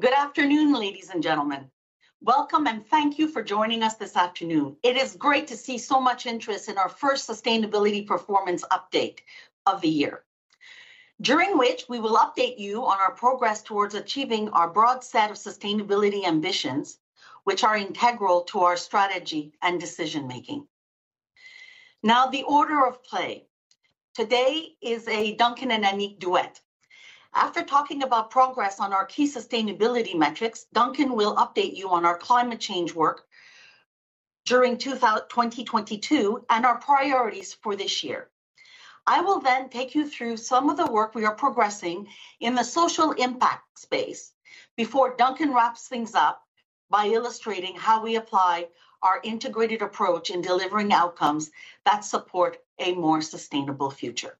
Good afternoon, ladies and gentlemen. Welcome, and thank you for joining us this afternoon. It is great to see so much interest in our first sustainability performance update of the year, during which we will update you on our progress towards achieving our broad set of sustainability ambitions, which are integral to our strategy and decision-making. The order of play. Today is a Duncan and Anik duet. After talking about progress on our key sustainability metrics, Duncan will update you on our climate change work during 2022, and our priorities for this year. I will then take you through some of the work we are progressing in the social impact space before Duncan wraps things up by illustrating how we apply our integrated approach in delivering outcomes that support a more sustainable future.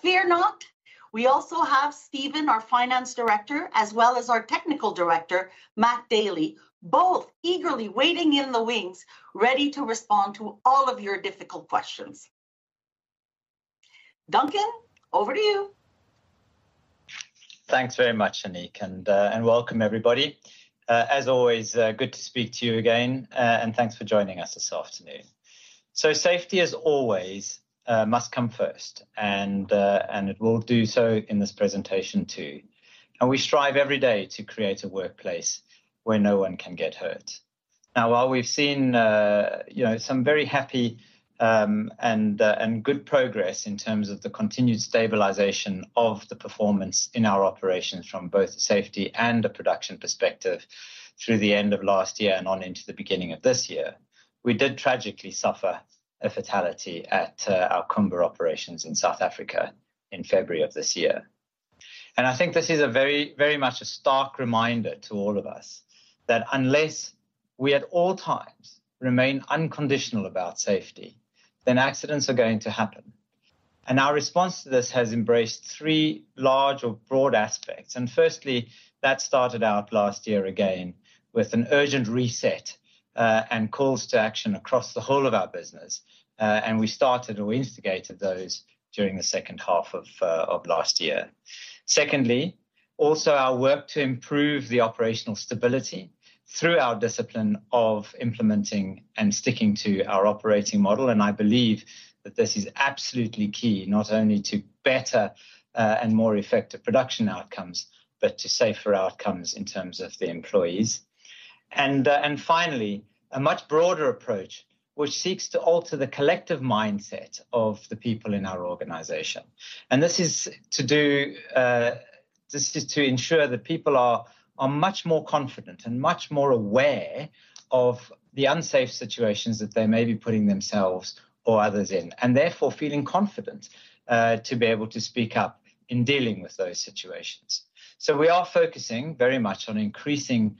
Fear not, we also have Stephen, our Finance Director, as well as our Technical Director, Matthew Daley, both eagerly waiting in the wings, ready to respond to all of your difficult questions. Duncan, over to you. Thanks very much, Anik, and welcome everybody. As always, good to speak to you again, and thanks for joining us this afternoon. Safety, as always, must come first and it will do so in this presentation too. We strive every day to create a workplace where no one can get hurt. While we've seen, you know, some very happy and good progress in terms of the continued stabilization of the performance in our operations from both a safety and a production perspective through the end of last year and on into the beginning of this year, we did tragically suffer a fatality at our Kumba operations in South Africa in February of this year. I think this is a very, very much a stark reminder to all of us that unless we at all times remain unconditional about safety, then accidents are going to happen. Our response to this has embraced three large or broad aspects. Firstly, that started out last year again with an urgent reset, and calls to action across the whole of our business. We started or instigated those during the second half of last year. Secondly, also our work to improve the operational stability through our discipline of implementing and sticking to our operating model, and I believe that this is absolutely key, not only to better and more effective production outcomes, but to safer outcomes in terms of the employees. Finally, a much broader approach which seeks to alter the collective mindset of the people in our organization. This is to do. This is to ensure that people are much more confident and much more aware of the unsafe situations that they may be putting themselves or others in, and therefore feeling confident to be able to speak up in dealing with those situations. We are focusing very much on increasing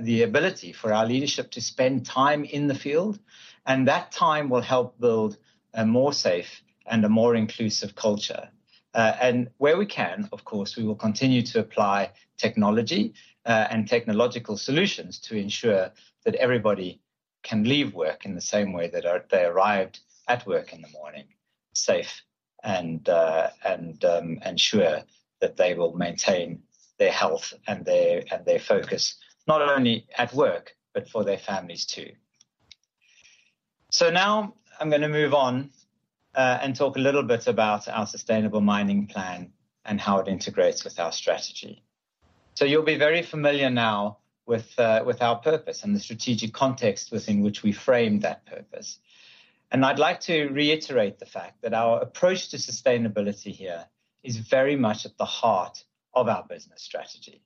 the ability for our leadership to spend time in the field, and that time will help build a more safe and a more inclusive culture. Where we can, of course, we will continue to apply technology, and technological solutions to ensure that everybody can leave work in the same way that they arrived at work in the morning, safe and sure that they will maintain their health and their focus, not only at work, but for their families too. Now I'm gonna move on, and talk a little bit about our Sustainable Mining Plan and how it integrates with our strategy. You'll be very familiar now with our purpose and the strategic context within which we frame that purpose. I'd like to reiterate the fact that our approach to sustainability here is very much at the heart of our business strategy.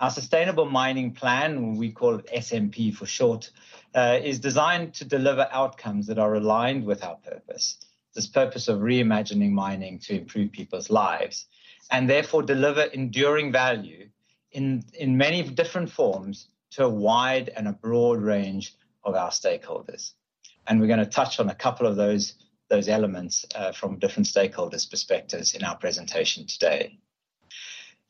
Our Sustainable Mining Plan, we call it SMP for short, is designed to deliver outcomes that are aligned with our purpose. This purpose of reimagining mining to improve people's lives, therefore deliver enduring value in many different forms to a wide and a broad range of our stakeholders. We're gonna touch on a couple of those elements from different stakeholders' perspectives in our presentation today.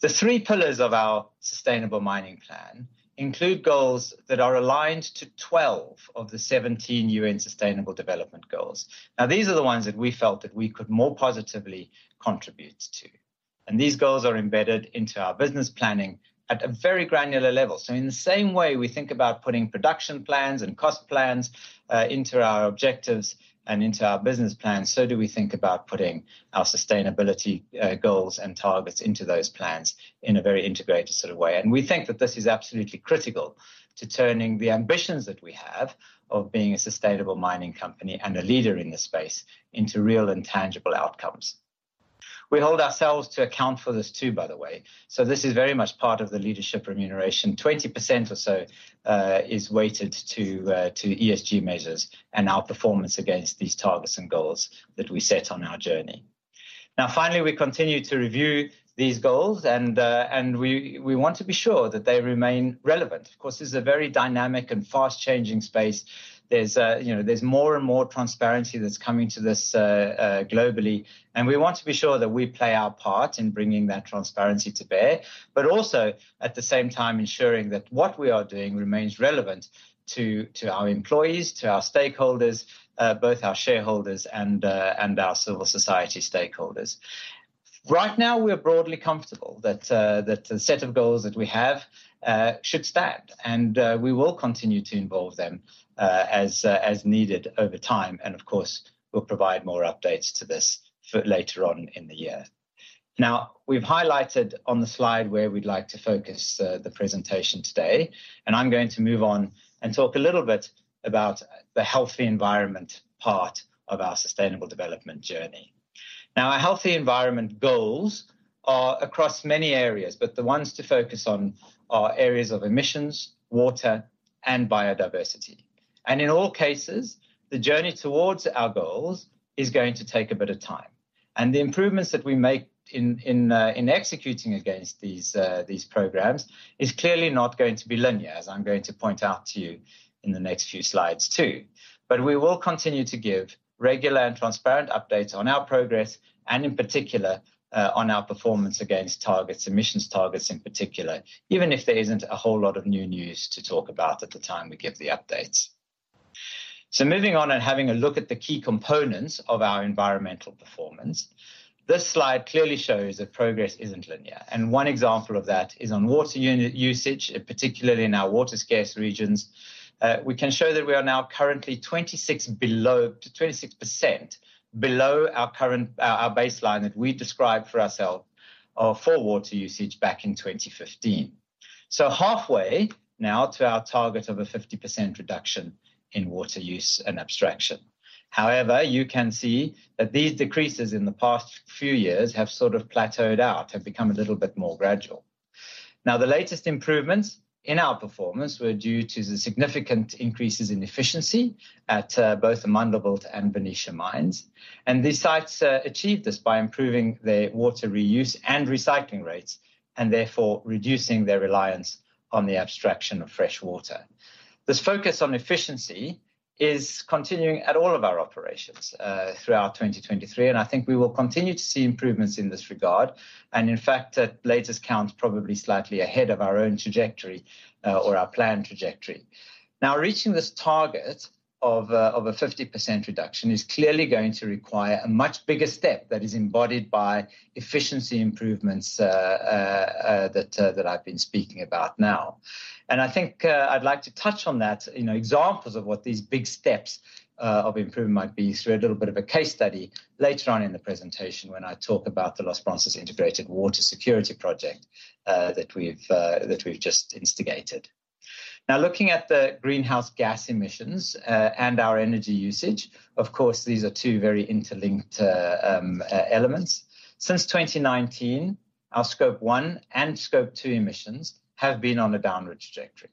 The three pillars of our Sustainable Mining Plan include goals that are aligned to 12 of the 17 UN Sustainable Development Goals. These are the ones that we felt that we could more positively contribute to, and these goals are embedded into our business planning at a very granular level. In the same way we think about putting production plans and cost plans into our objectives and into our business plans, so do we think about putting our sustainability goals and targets into those plans in a very integrated sort of way. We think that this is absolutely critical to turning the ambitions that we have of being a sustainable mining company and a leader in this space into real and tangible outcomes. We hold ourselves to account for this too, by the way. This is very much part of the leadership remuneration. 20% or so is weighted to ESG measures and our performance against these targets and goals that we set on our journey. Finally, we continue to review these goals and we want to be sure that they remain relevant. Of course, this is a very dynamic and fast-changing space. There's, you know, there's more and more transparency that's coming to this globally, and we want to be sure that we play our part in bringing that transparency to bear. Also, at the same time ensuring that what we are doing remains relevant to our employees, to our stakeholders, both our shareholders and our civil society stakeholders. Right now, we are broadly comfortable that the set of goals that we have should stand, and we will continue to evolve them as needed over time. Of course, we'll provide more updates to this for later on in the year. We've highlighted on the slide where we'd like to focus the presentation today. I'm going to move on and talk a little bit about the Healthy Environment part of our sustainable development journey. Our Healthy Environment goals are across many areas, but the ones to focus on are areas of emissions, water, and biodiversity. In all cases, the journey towards our goals is going to take a bit of time. The improvements that we make in executing against these programs is clearly not going to be linear, as I'm going to point out to you in the next few slides too. We will continue to give regular and transparent updates on our progress and in particular, on our performance against targets, emissions targets in particular, even if there isn't a whole lot of new news to talk about at the time we give the updates. Moving on and having a look at the key components of our environmental performance, this slide clearly shows that progress isn't linear. One example of that is on water unit usage, particularly in our water-scarce regions. We can show that we are now currently 26% below our baseline that we described for ourself, for water usage back in 2015. Halfway now to our target of a 50% reduction in water use and abstraction. You can see that these decreases in the past few years have sort of plateaued out, have become a little bit more gradual. Now, the latest improvements in our performance were due to the significant increases in efficiency at both Amandelbult and Venetia mines. These sites achieved this by improving their water reuse and recycling rates, and therefore reducing their reliance on the abstraction of fresh water. This focus on efficiency is continuing at all of our operations throughout 2023, and I think we will continue to see improvements in this regard, and in fact, at latest count, probably slightly ahead of our own trajectory, or our planned trajectory. Now, reaching this target of a 50% reduction is clearly going to require a much bigger step that is embodied by efficiency improvements that I've been speaking about now. I think I'd like to touch on that, you know, examples of what these big steps of improvement might be through a little bit of a case study later on in the presentation when I talk about the Los Bronces Integrated Water Security Project that we've just instigated. Now, looking at the greenhouse gas emissions and our energy usage, of course, these are two very interlinked elements. Since 2019, our Scope one and Scope two emissions have been on a downward trajectory.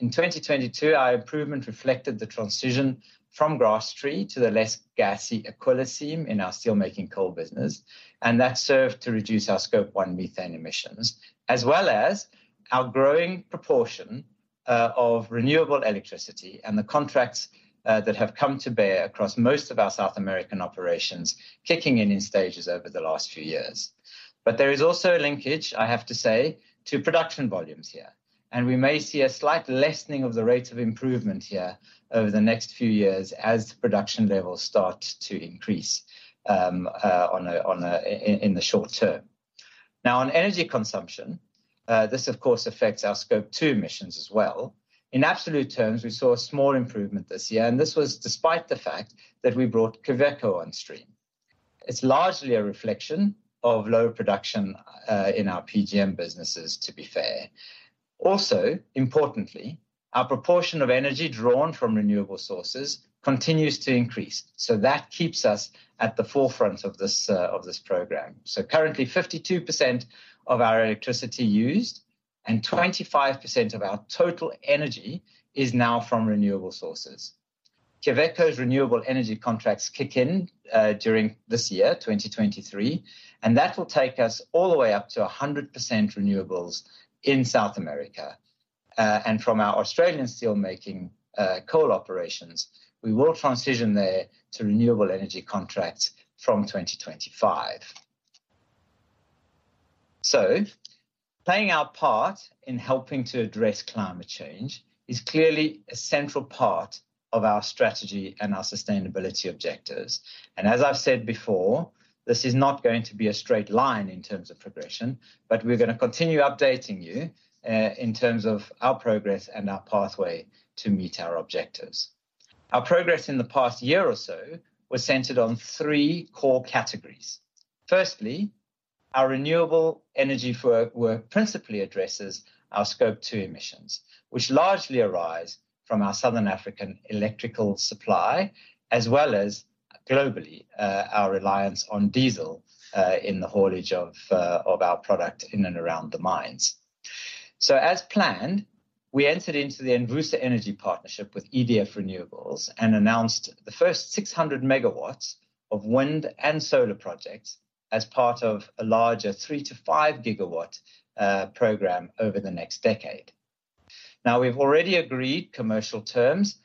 In 2022, our improvement reflected the transition from Grasstree to the less gassy Aquila in our steelmaking coal business, and that served to reduce our Scope one methane emissions, as well as our growing proportion of renewable electricity and the contracts that have come to bear across most of our South American operations, kicking in in stages over the last few years. There is also a linkage, I have to say, to production volumes here, and we may see a slight lessening of the rate of improvement here over the next few years as the production levels start to increase in the short term. Now, on energy consumption, this of course affects our Scope two emissions as well. In absolute terms, we saw a small improvement this year. This was despite the fact that we brought Quellaveco on stream. It's largely a reflection of low production in our PGM businesses, to be fair. Also, importantly, our proportion of energy drawn from renewable sources continues to increase. That keeps us at the forefront of this program. Currently, 52% of our electricity used and 25% of our total energy is now from renewable sources. Quellaveco's renewable energy contracts kick in during this year, 2023. That will take us all the way up to 100% renewables in South America. From our Australian steelmaking coal operations, we will transition there to renewable energy contracts from 2025. Playing our part in helping to address climate change is clearly a central part of our strategy and our sustainability objectives. As I've said before, this is not going to be a straight line in terms of progression, but we're gonna continue updating you in terms of our progress and our pathway to meet our objectives. Our progress in the past year or so was centered on three core categories. Firstly, our renewable energy for work principally addresses our Scope two emissions, which largely arise from our Southern African electrical supply, as well as globally, our reliance on diesel in the haulage of our product in and around the mines. As planned, we entered into the Envusa Energy Partnership with EDF Renewables and announced the first 600 MW of wind and solar projects as part of a larger 3-5 GW program over the next decade. We've already agreed commercial terms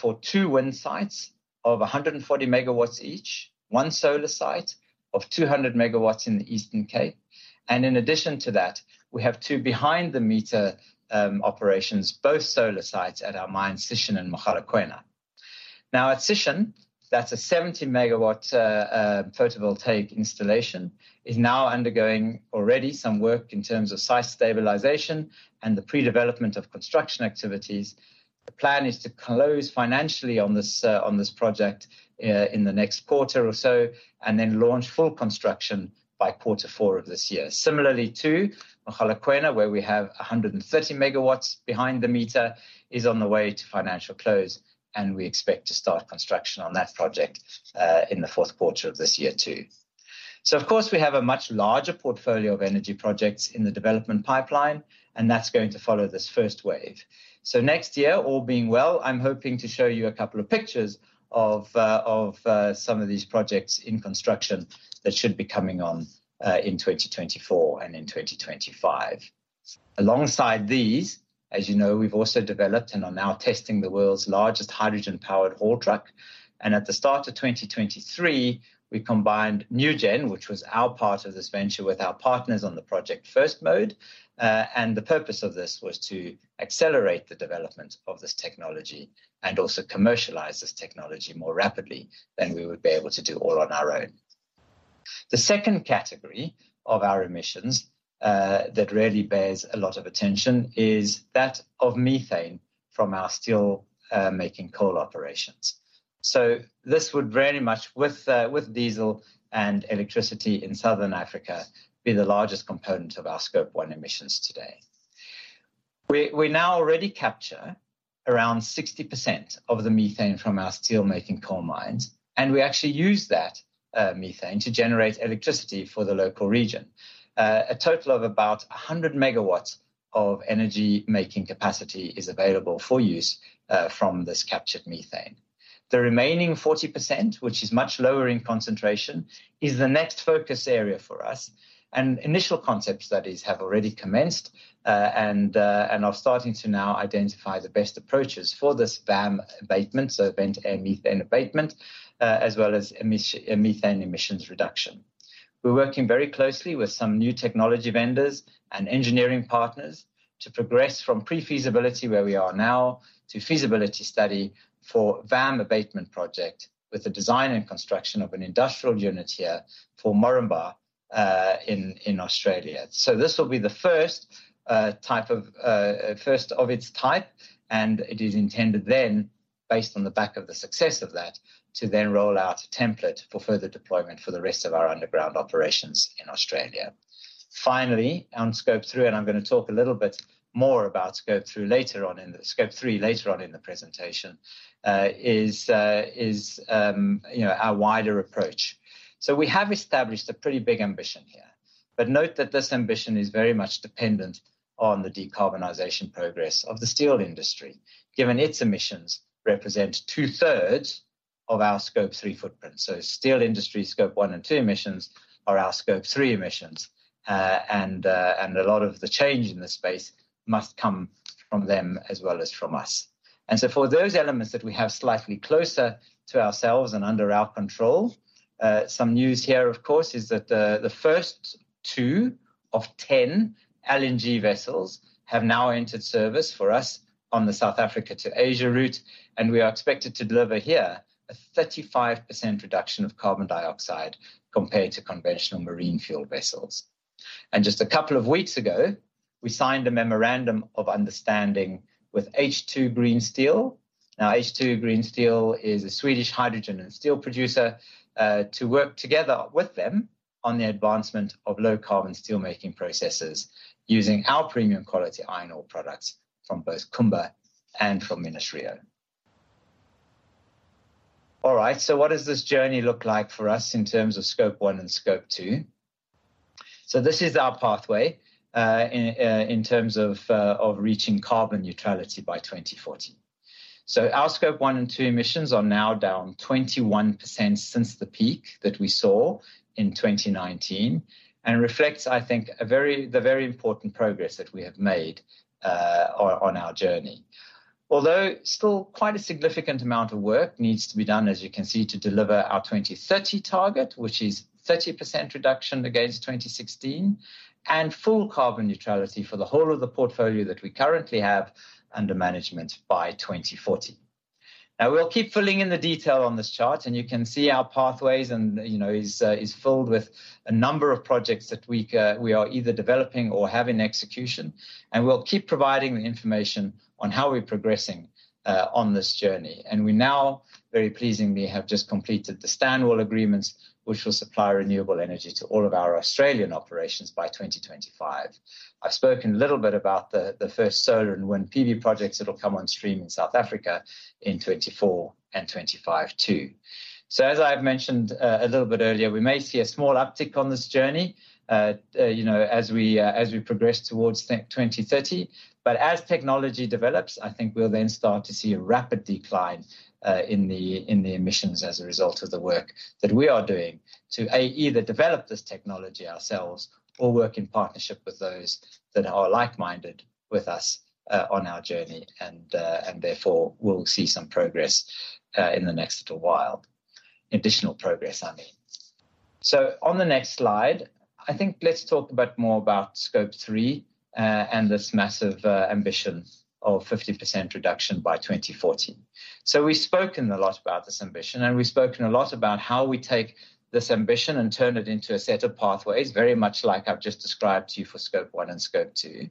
for two wind sites of 140 MW each, one solar site of 200 MW in the Eastern Cape. In addition to that, we have two behind-the-meter operations, both solar sites at our mine, Sishen and Mogalakwena. At Sishen, that's a 70 MW photovoltaic installation, is now undergoing already some work in terms of site stabilization and the pre-development of construction activities. The plan is to close financially on this project in the next quarter or so, and then launch full construction by quarter four of this year. Similarly too, Mogalakwena, where we have 130 MW behind the meter, is on the way to financial close, and we expect to start construction on that project in the fourth quarter of this year too. Of course, we have a much larger portfolio of energy projects in the development pipeline, and that's going to follow this first wave. Next year, all being well, I'm hoping to show you a couple of pictures of some of these projects in construction that should be coming on in 2024 and in 2025. Alongside these, as you know, we've also developed and are now testing the world's largest hydrogen-powered haul truck. At the start of 2023, we combined nuGen, which was our part of this venture, with our partners on the Project First Mode. The purpose of this was to accelerate the development of this technology and also commercialize this technology more rapidly than we would be able to do all on our own. The second category of our emissions that really bears a lot of attention is that of methane from our steelmaking coal operations. This would very much, with diesel and electricity in Southern Africa, be the largest component of our Scope one emissions today. We now already capture around 60% of the methane from our steelmaking coal mines, and we actually use that methane to generate electricity for the local region. A total of about 100 MW of energy-making capacity is available for use from this captured methane. The remaining 40%, which is much lower in concentration, is the next focus area for us. Initial concept studies have already commenced, and are starting to now identify the best approaches for this VAM abatement, so vent and methane abatement, as well as methane emissions reduction. We're working very closely with some new technology vendors and engineering partners to progress from pre-feasibility, where we are now, to feasibility study for VAM abatement project with the design and construction of an industrial unit here for Moranbah, in Australia. This will be the first type of first of its type, and it is intended then, based on the back of the success of that, to then roll out a template for further deployment for the rest of our underground operations in Australia. Finally, on Scope three, I'm gonna talk a little bit more about Scope three later on in the presentation, is, you know, our wider approach. We have established a pretty big ambition here. Note that this ambition is very much dependent on the decarbonization progress of the steel industry, given its emissions represent two-thirds of our Scope three footprint. Steel industry Scope one and two emissions are our Scope three emissions. And a lot of the change in this space must come from them as well as from us. For those elements that we have slightly closer to ourselves and under our control, some news here, of course, is that the first two of 10 LNG vessels have now entered service for us on the South Africa to Asia route, we are expected to deliver here a 35% reduction of carbon dioxide compared to conventional marine fuel vessels. Just a couple of weeks ago, we signed a memorandum of understanding with H2 Green Steel. H2 Green Steel is a Swedish hydrogen and steel producer, to work together with them on the advancement of low-carbon steel-making processes using our premium quality iron ore products from both Kumba and from Minas-Rio. What does this journey look like for us in terms of Scope one and Scope two? This is our pathway in terms of reaching carbon neutrality by 2040. Our Scope one and two emissions are now down 21% since the peak that we saw in 2019 and reflects, I think, a very, the very important progress that we have made on our journey. Although still quite a significant amount of work needs to be done, as you can see, to deliver our 2030 target, which is 30% reduction against 2016 and full carbon neutrality for the whole of the portfolio that we currently have under management by 2040. We'll keep filling in the detail on this chart, and you can see our pathways and, you know, is filled with a number of projects that we are either developing or have in execution. We'll keep providing the information on how we're progressing on this journey. We now, very pleasingly, have just completed the Stanwell agreements, which will supply renewable energy to all of our Australian operations by 2025. I've spoken a little bit about the first solar and wind PV projects that'll come on stream in South Africa in 2024 and 2025 too. As I have mentioned a little bit earlier, we may see a small uptick on this journey, you know, as we progress towards 2030. As technology develops, I think we'll then start to see a rapid decline in the emissions as a result of the work that we are doing to A, either develop this technology ourselves or work in partnership with those that are like-minded with us on our journey, and therefore we'll see some progress in the next little while. Additional progress, I mean. On the next slide, I think let's talk a bit more about Scope three and this massive ambition of 50% reduction by 2040. We've spoken a lot about this ambition, and we've spoken a lot about how we take this ambition and turn it into a set of pathways, very much like I've just described to you for Scope one and Scope two,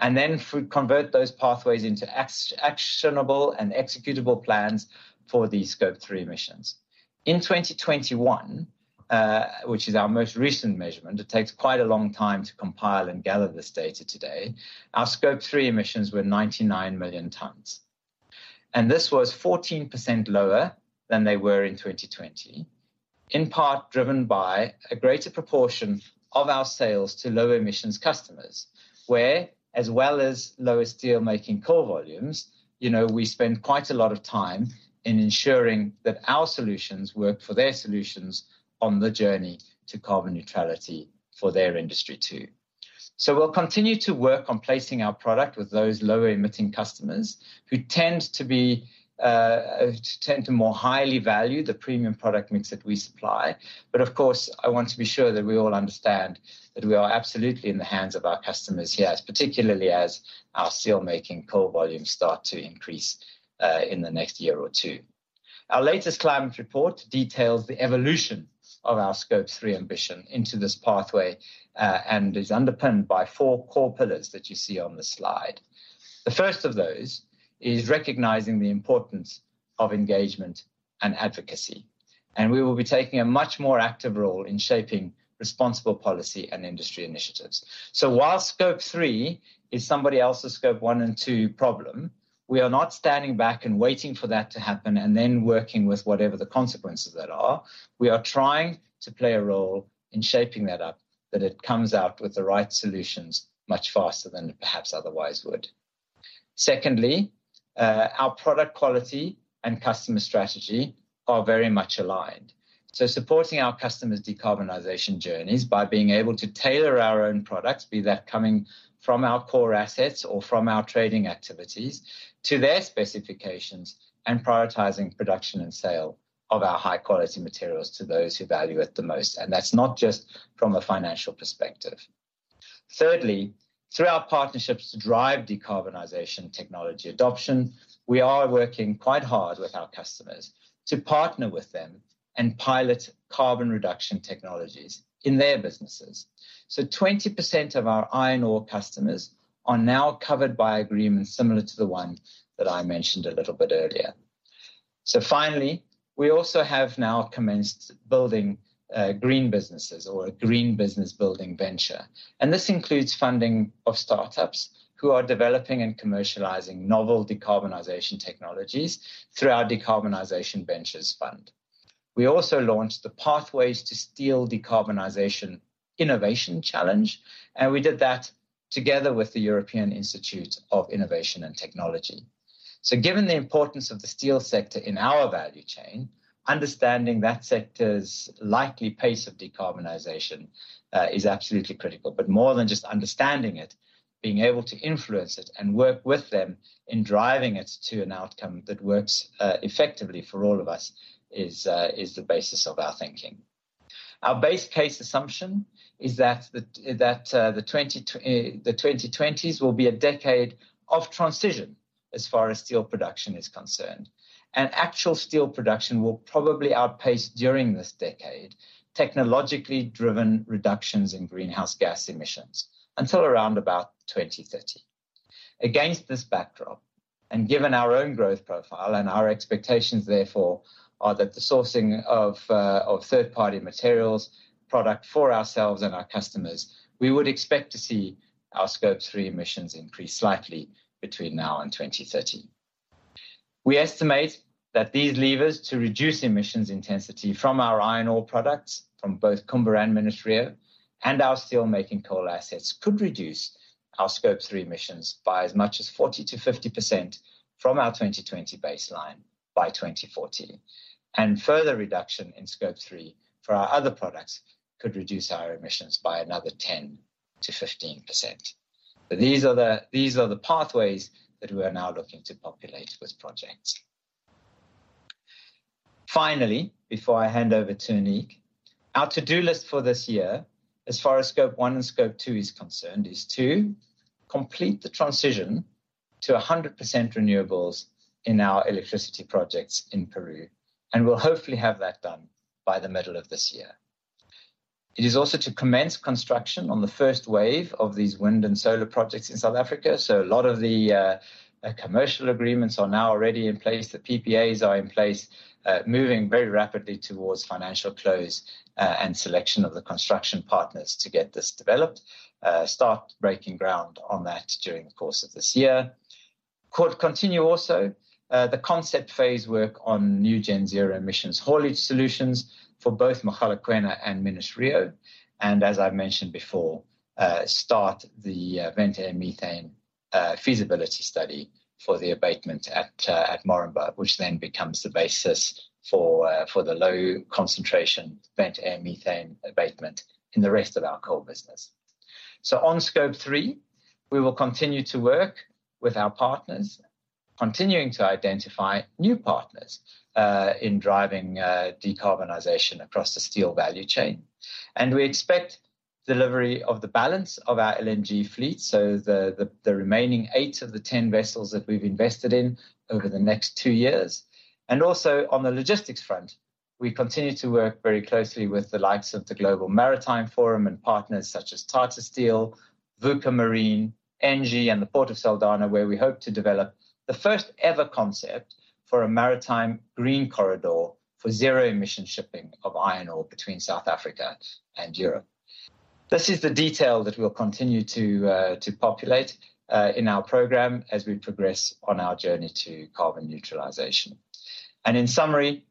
and then convert those pathways into actionable and executable plans for the Scope three emissions. In 2021, which is our most recent measurement, it takes quite a long time to compile and gather this data today. Our Scope three emissions were 99 million tons. This was 14% lower than they were in 2020, in part driven by a greater proportion of our sales to low emissions customers, where, as well as lower steelmaking coal volumes, you know, we spend quite a lot of time in ensuring that our solutions work for their solutions on the journey to carbon neutrality for their industry too. We'll continue to work on placing our product with those low emitting customers who tend to be, tend to more highly value the premium product mix that we supply. Of course, I want to be sure that we all understand that we are absolutely in the hands of our customers here, particularly as our steelmaking coal volumes start to increase in the next year or two. Our latest climate report details the evolution of our Scope three ambition into this pathway, and is underpinned by four core pillars that you see on the slide. The first of those is recognizing the importance of engagement and advocacy, and we will be taking a much more active role in shaping responsible policy and industry initiatives. While Scope three is somebody else's Scope one and two problem, we are not standing back and waiting for that to happen and then working with whatever the consequences that are. We are trying to play a role in shaping that up, that it comes out with the right solutions much faster than it perhaps otherwise would. Secondly, our product quality and customer strategy are very much aligned, so supporting our customers' decarbonization journeys by being able to tailor our own products, be that coming from our core assets or from our trading activities to their specifications and prioritizing production and sale of our high-quality materials to those who value it the most. That's not just from a financial perspective. Thirdly, through our partnerships to drive decarbonization technology adoption, we are working quite hard with our customers to partner with them and pilot carbon reduction technologies in their businesses. Twenty percent of our iron ore customers are now covered by agreements similar to the 1 that I mentioned a little bit earlier. Finally, we also have now commenced building green businesses or a green business building venture. This includes funding of startups who are developing and commercializing novel decarbonization technologies through our Decarbonisation Ventures fund. We also launched the Pathways to Steel Decarbonisation Innovation Challenge, and we did that together with the European Institute of Innovation and Technology. Given the importance of the steel sector in our value chain, understanding that sector's likely pace of decarbonisation is absolutely critical. More than just understanding it, being able to influence it and work with them in driving it to an outcome that works effectively for all of us is the basis of our thinking. Our base case assumption is that the 2020s will be a decade of transition as far as steel production is concerned. Actual steel production will probably outpace during this decade, technologically driven reductions in greenhouse gas emissions until around about 2030. Against this backdrop, given our own growth profile and our expectations therefore, are that the sourcing of third-party materials product for ourselves and our customers, we would expect to see our Scope three emissions increase slightly between now and 2030. We estimate that these levers to reduce emissions intensity from our iron ore products from both Kumba and Minas-Rio and our steelmaking coal assets, could reduce our Scope three emissions by as much as 40%-50% from our 2020 baseline by 2040. Further reduction in Scope three for our other products could reduce our emissions by another 10%-15%. These are the pathways that we are now looking to populate with projects. Finally, before I hand over to Anik, our to-do list for this year, as far as Scope one and Scope two is concerned, is to complete the transition to 100% renewables in our electricity projects in Peru, and we'll hopefully have that done by the middle of this year. It is also to commence construction on the first wave of these wind and solar projects in South Africa, so a lot of the commercial agreements are now already in place. The PPAs are in place, moving very rapidly towards financial close, and selection of the construction partners to get this developed. Start breaking ground on that during the course of this year. Continue also, the concept phase work on nuGen Zero Emission Haulage Solution for both Mogalakwena and Minas-Rio. As I've mentioned before, start the vent air methane feasibility study for the abatement at Moranbah, which then becomes the basis for the low concentration vent air methane abatement in the rest of our coal business. On Scope three, we will continue to work with our partners, continuing to identify new partners in driving decarbonization across the steel value chain. We expect delivery of the balance of our LNG fleet, so the remaining eight of the 10 vessels that we've invested in over the next two years. Also on the logistics front, we continue to work very closely with the likes of the Global Maritime Forum and partners such as Tata Steel, Wärtsilä Marine, ENGIE, and the Port of Saldanha, where we hope to develop the first-ever concept for a maritime green corridor for zero emission shipping of iron ore between South Africa and Europe. This is the detail that we'll continue to populate in our program as we progress on our journey to carbon neutralization. In summary,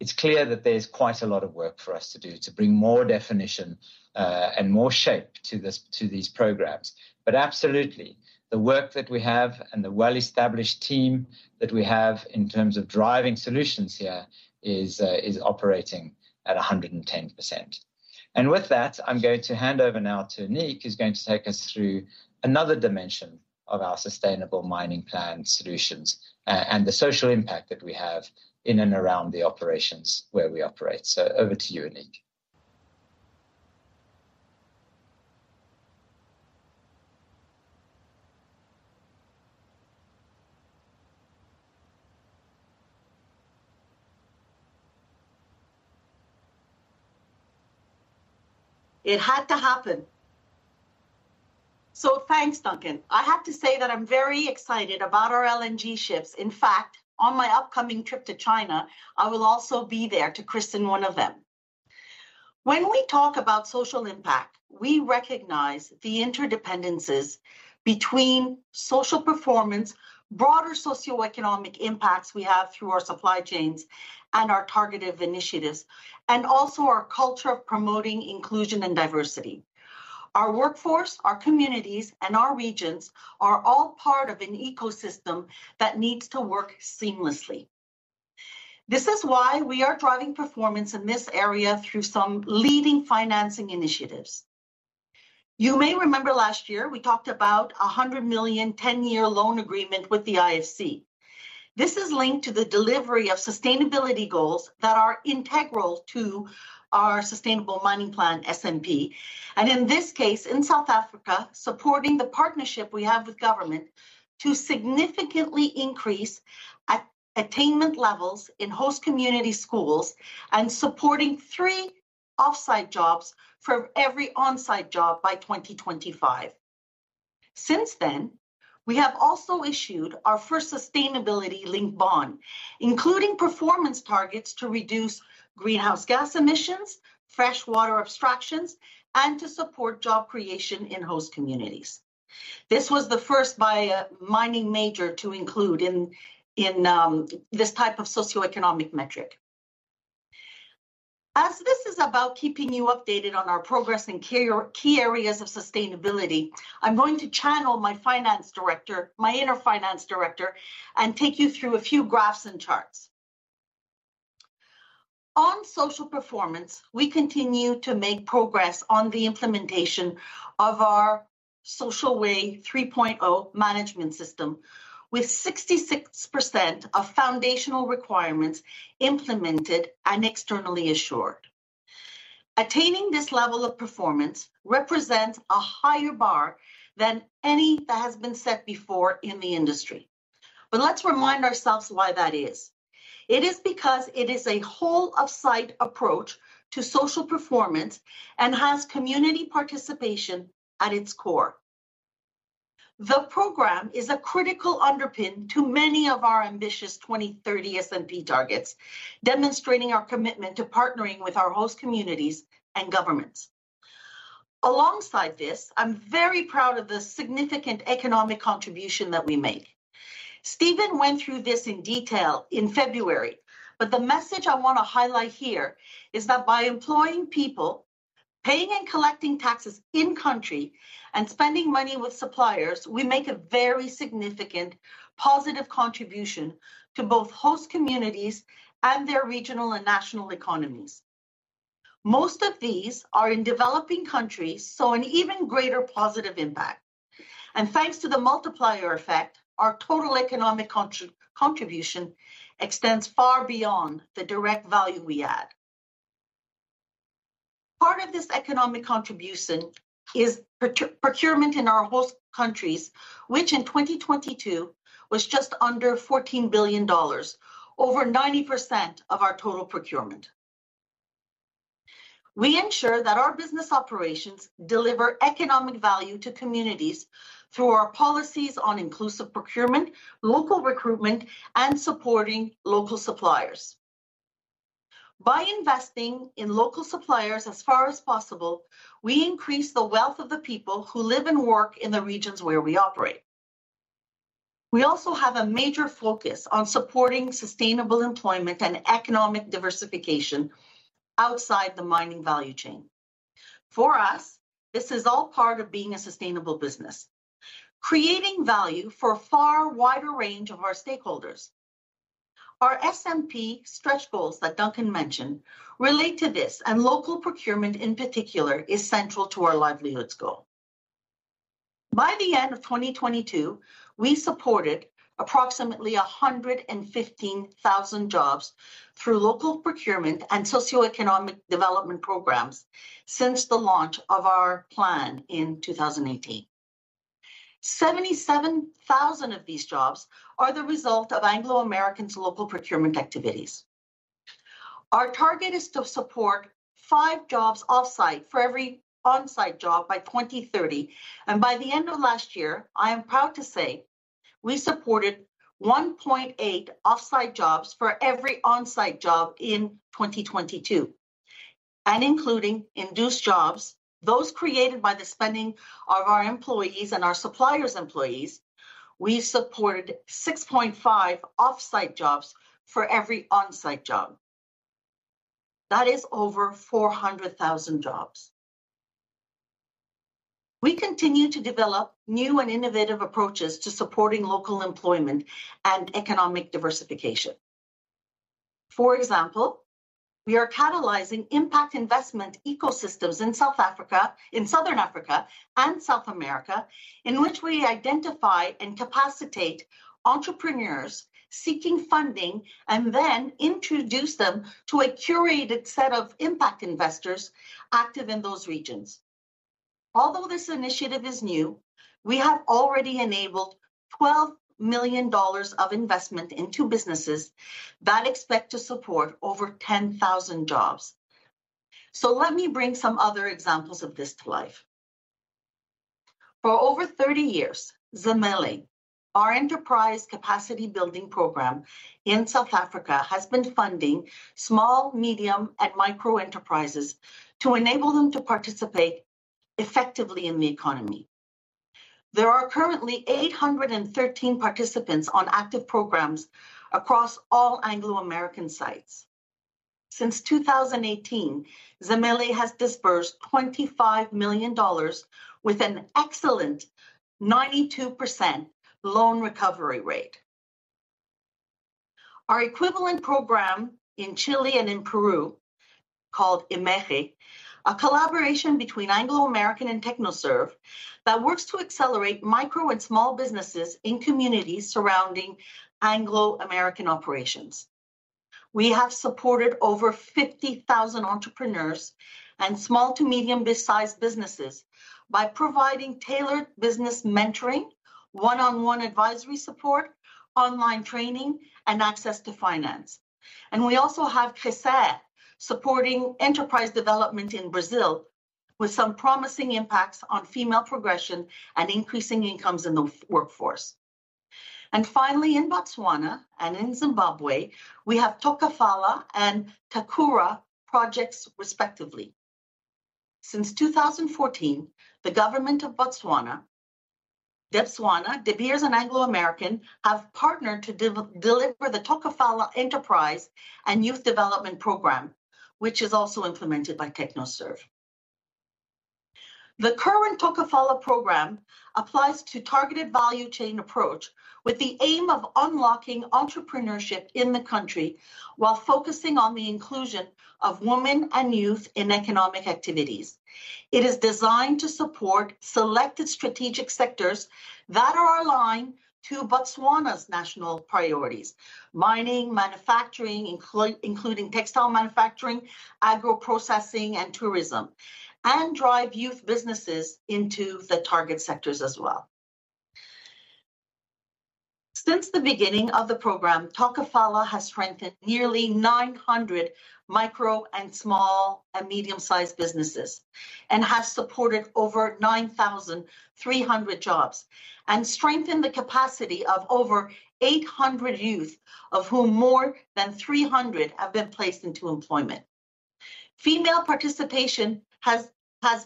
it's clear that there's quite a lot of work for us to do to bring more definition and more shape to these programs. Absolutely, the work that we have and the well-established team that we have in terms of driving solutions here is operating at 110%. With that, I'm going to hand over now to Anik, who's going to take us through another dimension of our Sustainable Mining Plan solutions, and the social impact that we have in and around the operations where we operate. Over to you, Anik. It had to happen. Thanks, Duncan. I have to say that I'm very excited about our LNG ships. In fact, on my upcoming trip to China, I will also be there to christen one of them. When we talk about social impact, we recognize the interdependencies between social performance, broader socioeconomic impacts we have through our supply chains, and our targeted initiatives, and also our culture of promoting inclusion and diversity. Our workforce, our communities, and our regions are all part of an ecosystem that needs to work seamlessly. This is why we are driving performance in this area through some leading financing initiatives. You may remember last year we talked about a $100 million 10-year loan agreement with the IFC. This is linked to the delivery of sustainability goals that are integral to our Sustainable Mining Plan, SMP. In this case, in South Africa, supporting the partnership we have with government to significantly increase attainment levels in host community schools and supporting three off-site jobs for every on-site job by 2025. Since then, we have also issued our first sustainability link bond, including performance targets to reduce greenhouse gas emissions, fresh water abstractions, and to support job creation in host communities. This was the first by a mining major to include in this type of socioeconomic metric. As this is about keeping you updated on our progress in key areas of sustainability, I'm going to channel my finance director, my inner finance director, and take you through a few graphs and charts. On social performance, we continue to make progress on the implementation of our Social Way 3.0 management system with 66% of foundational requirements implemented and externally assured. Attaining this level of performance represents a higher bar than any that has been set before in the industry. Let's remind ourselves why that is. It is because it is a whole of site approach to social performance and has community participation at its core. The program is a critical underpin to many of our ambitious 2030 SMP targets, demonstrating our commitment to partnering with our host communities and governments. Alongside this, I'm very proud of the significant economic contribution that we make. Stephen went through this in detail in February, the message I wanna highlight here is that by employing people, paying and collecting taxes in country, and spending money with suppliers, we make a very significant positive contribution to both host communities and their regional and national economies. Most of these are in developing countries, an even greater positive impact. Thanks to the multiplier effect, our total economic contribution extends far beyond the direct value we add. Part of this economic contribution is procurement in our host countries, which in 2022 was just under $14 billion, over 90% of our total procurement. We ensure that our business operations deliver economic value to communities through our policies on inclusive procurement, local recruitment, and supporting local suppliers. By investing in local suppliers as far as possible, we increase the wealth of the people who live and work in the regions where we operate. We also have a major focus on supporting sustainable employment and economic diversification outside the mining value chain. For us, this is all part of being a sustainable business, creating value for a far wider range of our stakeholders. Our SMP stretch goals that Duncan mentioned relate to this. Local procurement in particular is central to our livelihoods goal. By the end of 2022, we supported approximately 115,000 jobs through local procurement and socioeconomic development programs since the launch of our plan in 2018. Seventy-seven thousand of these jobs are the result of Anglo American's local procurement activities. Our target is to support five jobs off-site for every on-site job by 2030. By the end of last year, I am proud to say we supported 1.8 off-site jobs for every on-site job in 2022. Including induced jobs, those created by the spending of our employees and our suppliers' employees, we supported 6.5 off-site jobs for every on-site job. That is over 400,000 jobs. We continue to develop new and innovative approaches to supporting local employment and economic diversification. For example, we are catalyzing impact investment ecosystems in Southern Africa and South America, in which we identify and capacitate entrepreneurs seeking funding and then introduce them to a curated set of impact investors active in those regions. Although this initiative is new, we have already enabled $12 million of investment in two businesses that expect to support over 10,000 jobs. Let me bring some other examples of this to life. For over 30 years, Zimele, our enterprise capacity-building program in South Africa, has been funding small, medium, and micro enterprises to enable them to participate effectively in the economy. There are currently 813 participants on active programs across all Anglo American sites. Since 2018, Zimele has disbursed $25 million with an excellent 92% loan recovery rate. Our equivalent program in Chile and in Peru, called EMERGE, a collaboration between Anglo American and TechnoServe that works to accelerate micro and small businesses in communities surrounding Anglo American operations. We have supported over 50,000 entrepreneurs and small to medium-based size businesses by providing tailored business mentoring, one-on-one advisory support, online training, and access to finance. We also have Crescer supporting enterprise development in Brazil with some promising impacts on female progression and increasing incomes in the workforce. Finally, in Botswana and in Zimbabwe, we have Tokafala and Takura projects respectively. Since 2014, the government of Botswana, Debswana, De Beers, and Anglo American have partnered to deliver the Tokafala Enterprise and Youth Development Programme, which is also implemented by TechnoServe. The current Tokafala program applies to targeted value chain approach with the aim of unlocking entrepreneurship in the country while focusing on the inclusion of women and youth in economic activities. It is designed to support selected strategic sectors that are aligned to Botswana's national priorities, mining, manufacturing, including textile manufacturing, agro-processing, and tourism, and drive youth businesses into the target sectors as well. Since the beginning of the program, Tokafala has strengthened nearly 900 micro and small and medium-sized businesses and has supported over 9,300 jobs and strengthened the capacity of over 800 youth, of whom more than 300 have been placed into employment. Female participation has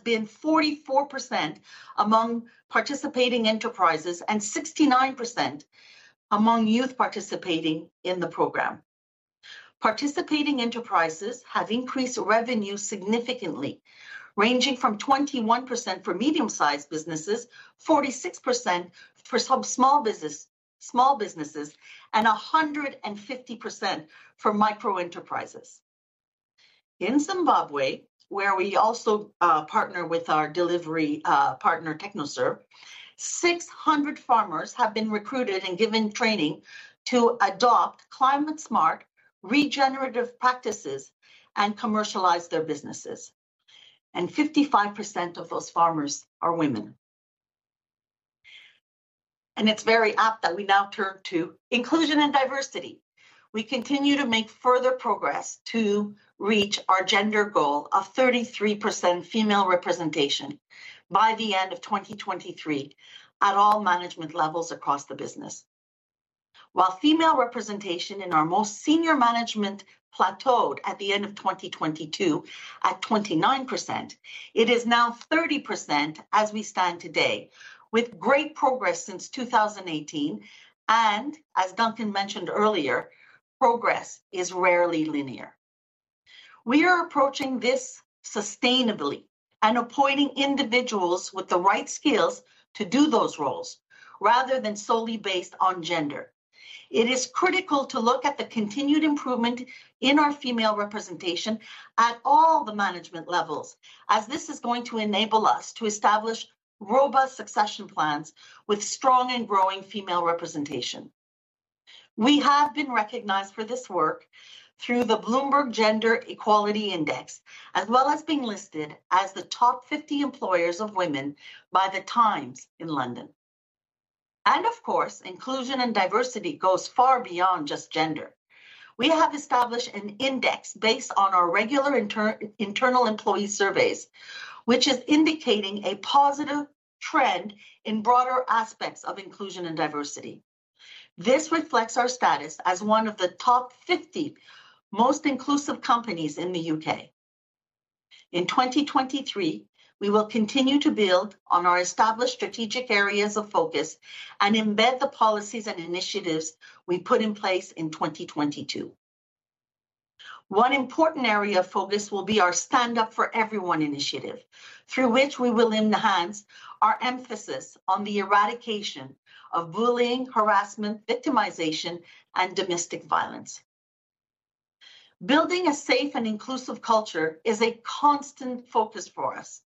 been 44% among participating enterprises and 69% among youth participating in the program. Participating enterprises have increased revenue significantly, ranging from 21% for medium-sized businesses, 46% for small businesses, and 150% for micro enterprises. In Zimbabwe, where we also partner with our delivery partner, TechnoServe, 600 farmers have been recruited and given training to adopt climate-smart regenerative practices and commercialize their businesses, and 55% of those farmers are women. It's very apt that we now turn to inclusion and diversity. We continue to make further progress to reach our gender goal of 33% female representation by the end of 2023 at all management levels across the business. While female representation in our most senior management plateaued at the end of 2022 at 29%, it is now 30% as we stand today, with great progress since 2018. As Duncan mentioned earlier, progress is rarely linear. We are approaching this sustainably and appointing individuals with the right skills to do those roles, rather than solely based on gender. It is critical to look at the continued improvement in our female representation at all the management levels, as this is going to enable us to establish robust succession plans with strong and growing female representation. We have been recognized for this work through the Bloomberg Gender-Equality Index, as well as being listed as the top 50 employers of women by The Times in London. Of course, inclusion and diversity goes far beyond just gender. We have established an index based on our regular internal employee surveys, which is indicating a positive trend in broader aspects of inclusion and diversity. This reflects our status as one of the top 50 most inclusive companies in the U.K. In 2023, we will continue to build on our established strategic areas of focus and embed the policies and initiatives we put in place in 2022. One important area of focus will be our Stand Up for Everyone initiative, through which we will enhance our emphasis on the eradication of bullying, harassment, victimization, and domestic violence. Building a safe and inclusive culture is a constant focus for us,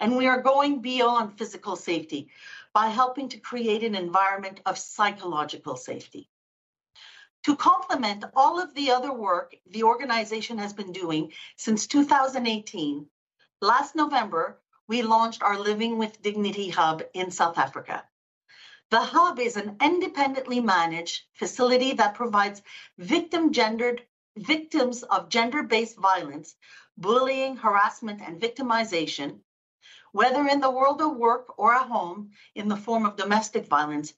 and we are going beyond physical safety by helping to create an environment of psychological safety. To complement all of the other work the organization has been doing since 2018, last November we launched our Living with Dignity Hub in South Africa. The hub is an independently managed facility that provides victims of gender-based violence, bullying, harassment, and victimization, whether in the world of work or at home in the form of domestic violence,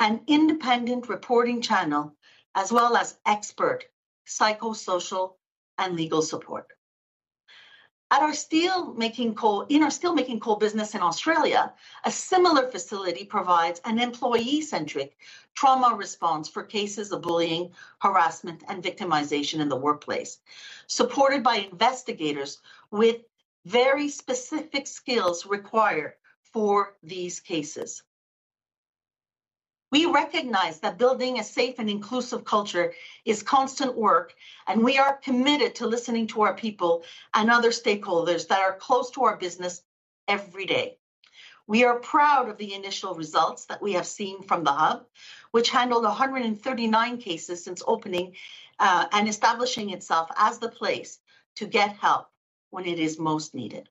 an independent reporting channel, as well as expert psychosocial and legal support. In our steelmaking coal business in Australia, a similar facility provides an employee-centric trauma response for cases of bullying, harassment, and victimization in the workplace, supported by investigators with very specific skills required for these cases. We recognize that building a safe and inclusive culture is constant work, and we are committed to listening to our people and other stakeholders that are close to our business every day. We are proud of the initial results that we have seen from the Hub, which handled 139 cases since opening and establishing itself as the place to get help when it is most needed.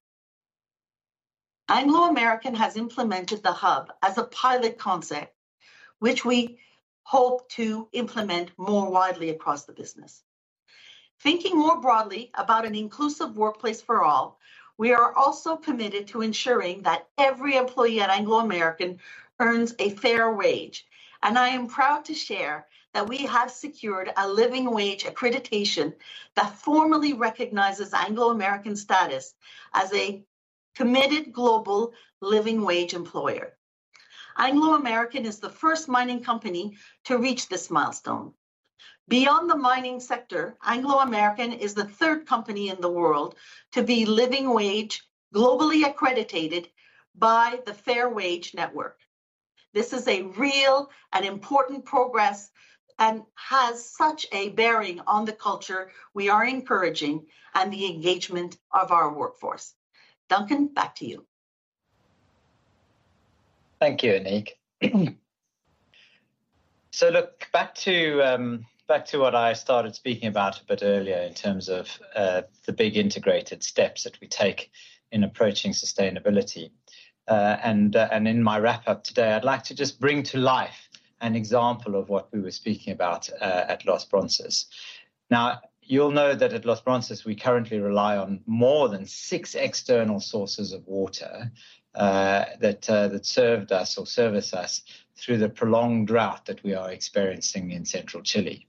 Anglo American has implemented the Hub as a pilot concept, which we hope to implement more widely across the business. Thinking more broadly about an inclusive workplace for all, we are also committed to ensuring that every employee at Anglo American earns a fair wage. I am proud to share that we have secured a living wage accreditation that formally recognizes Anglo American's status as a committed global living wage employer. Anglo American is the first mining company to reach this milestone. Beyond the mining sector, Anglo American is the third company in the world to be living wage globally accredited by the Fair Wage Network. This is a real and important progress and has such a bearing on the culture we are encouraging and the engagement of our workforce. Duncan, back to you. Thank you, Anik. Look, back to, back to what I started speaking about a bit earlier in terms of the big integrated steps that we take in approaching sustainability. And in my wrap-up today, I'd like to just bring to life an example of what we were speaking about at Los Bronces. Now, you'll know that at Los Bronces we currently rely on more than six external sources of water that served us or service us through the prolonged drought that we are experiencing in central Chile.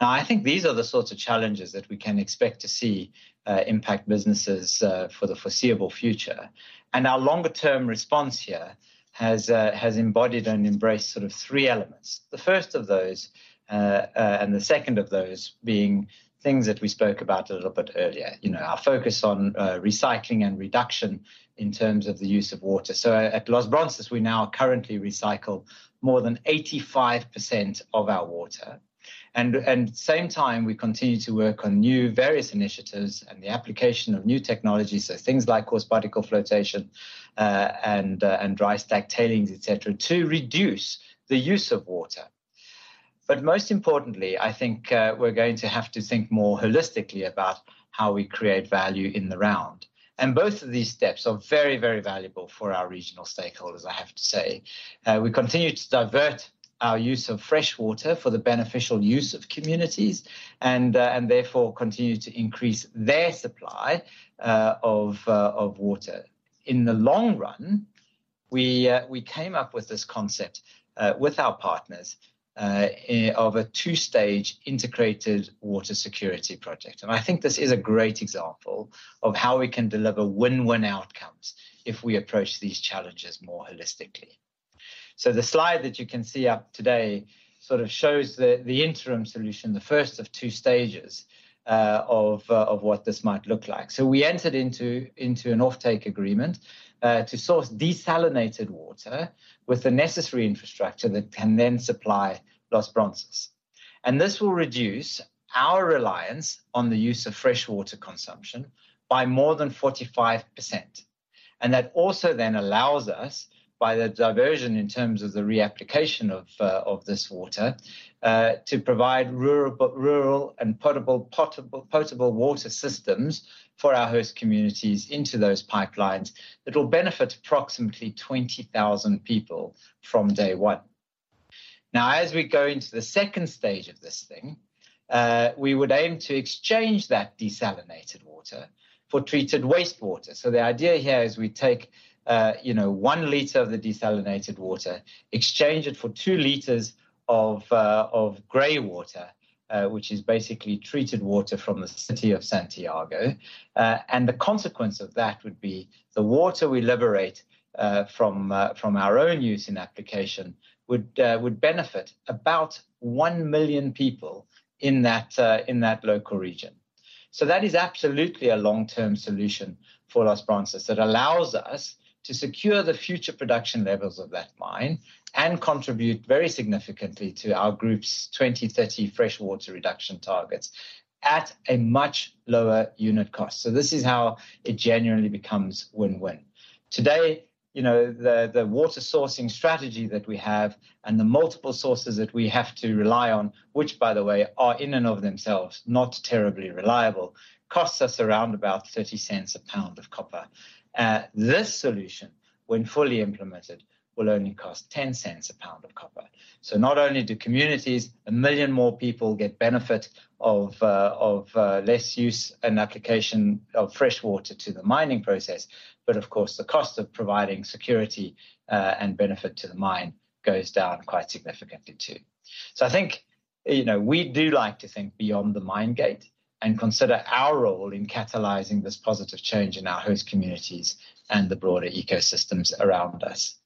Now, I think these are the sorts of challenges that we can expect to see impact businesses for the foreseeable future. And our longer term response here has embodied and embraced sort of three elements. The first of those, and the second of those being things that we spoke about a little bit earlier, you know, our focus on recycling and reduction in terms of the use of water. At Los Bronces, we now currently recycle more than 85% of our water. Same time, we continue to work on new various initiatives and the application of new technologies, so things like coarse particle flotation, and dry stack tailings, et cetera, to reduce the use of water. Most importantly, I think, we're going to have to think more holistically about how we create value in the round. Both of these steps are very, very valuable for our regional stakeholders, I have to say. We continue to convert, our use of fresh water for the beneficial use of communities and therefore continue to increase their supply of water. In the long run, we came up with this concept with our partners of a two-stage integrated water security project, and I think this is a great example of how we can deliver win-win outcomes if we approach these challenges more holistically. The slide that you can see up today sort of shows the interim solution, the first of two stages of what this might look like. We entered into an offtake agreement to source desalinated water with the necessary infrastructure that can then supply Los Bronces. This will reduce our reliance on the use of fresh water consumption by more than 45%. That also then allows us, by the diversion in terms of the reapplication of this water, to provide rural and potable water systems for our host communities into those pipelines that will benefit approximately 20,000 people from day one. As we go into the second stage of this thing, we would aim to exchange that desalinated water for treated wastewater. The idea here is we take, you know, 1 L of the desalinated water, exchange it for 2 L of grey water, which is basically treated water from the city of Santiago. The consequence of that would be the water we liberate from our own use in application would benefit about 1 million people in that local region. That is absolutely a long-term solution for Los Bronces that allows us to secure the future production levels of that mine and contribute very significantly to our group's 2030 freshwater reduction targets at a much lower unit cost. This is how it genuinely becomes win-win. Today, you know, the water sourcing strategy that we have and the multiple sources that we have to rely on, which by the way, are in and of themselves not terribly reliable, costs us around about $0.30 lb of copper. This solution, when fully implemented, will only cost $0.10 lb of copper. Not only do communities, 1 million more people get benefit of less use and application of fresh water to the mining process, but of course, the cost of providing security and benefit to the mine goes down quite significantly too. I think, you know, we do like to think beyond the mine gate and consider our role in catalyzing this positive change in our host communities and the broader ecosystems around us.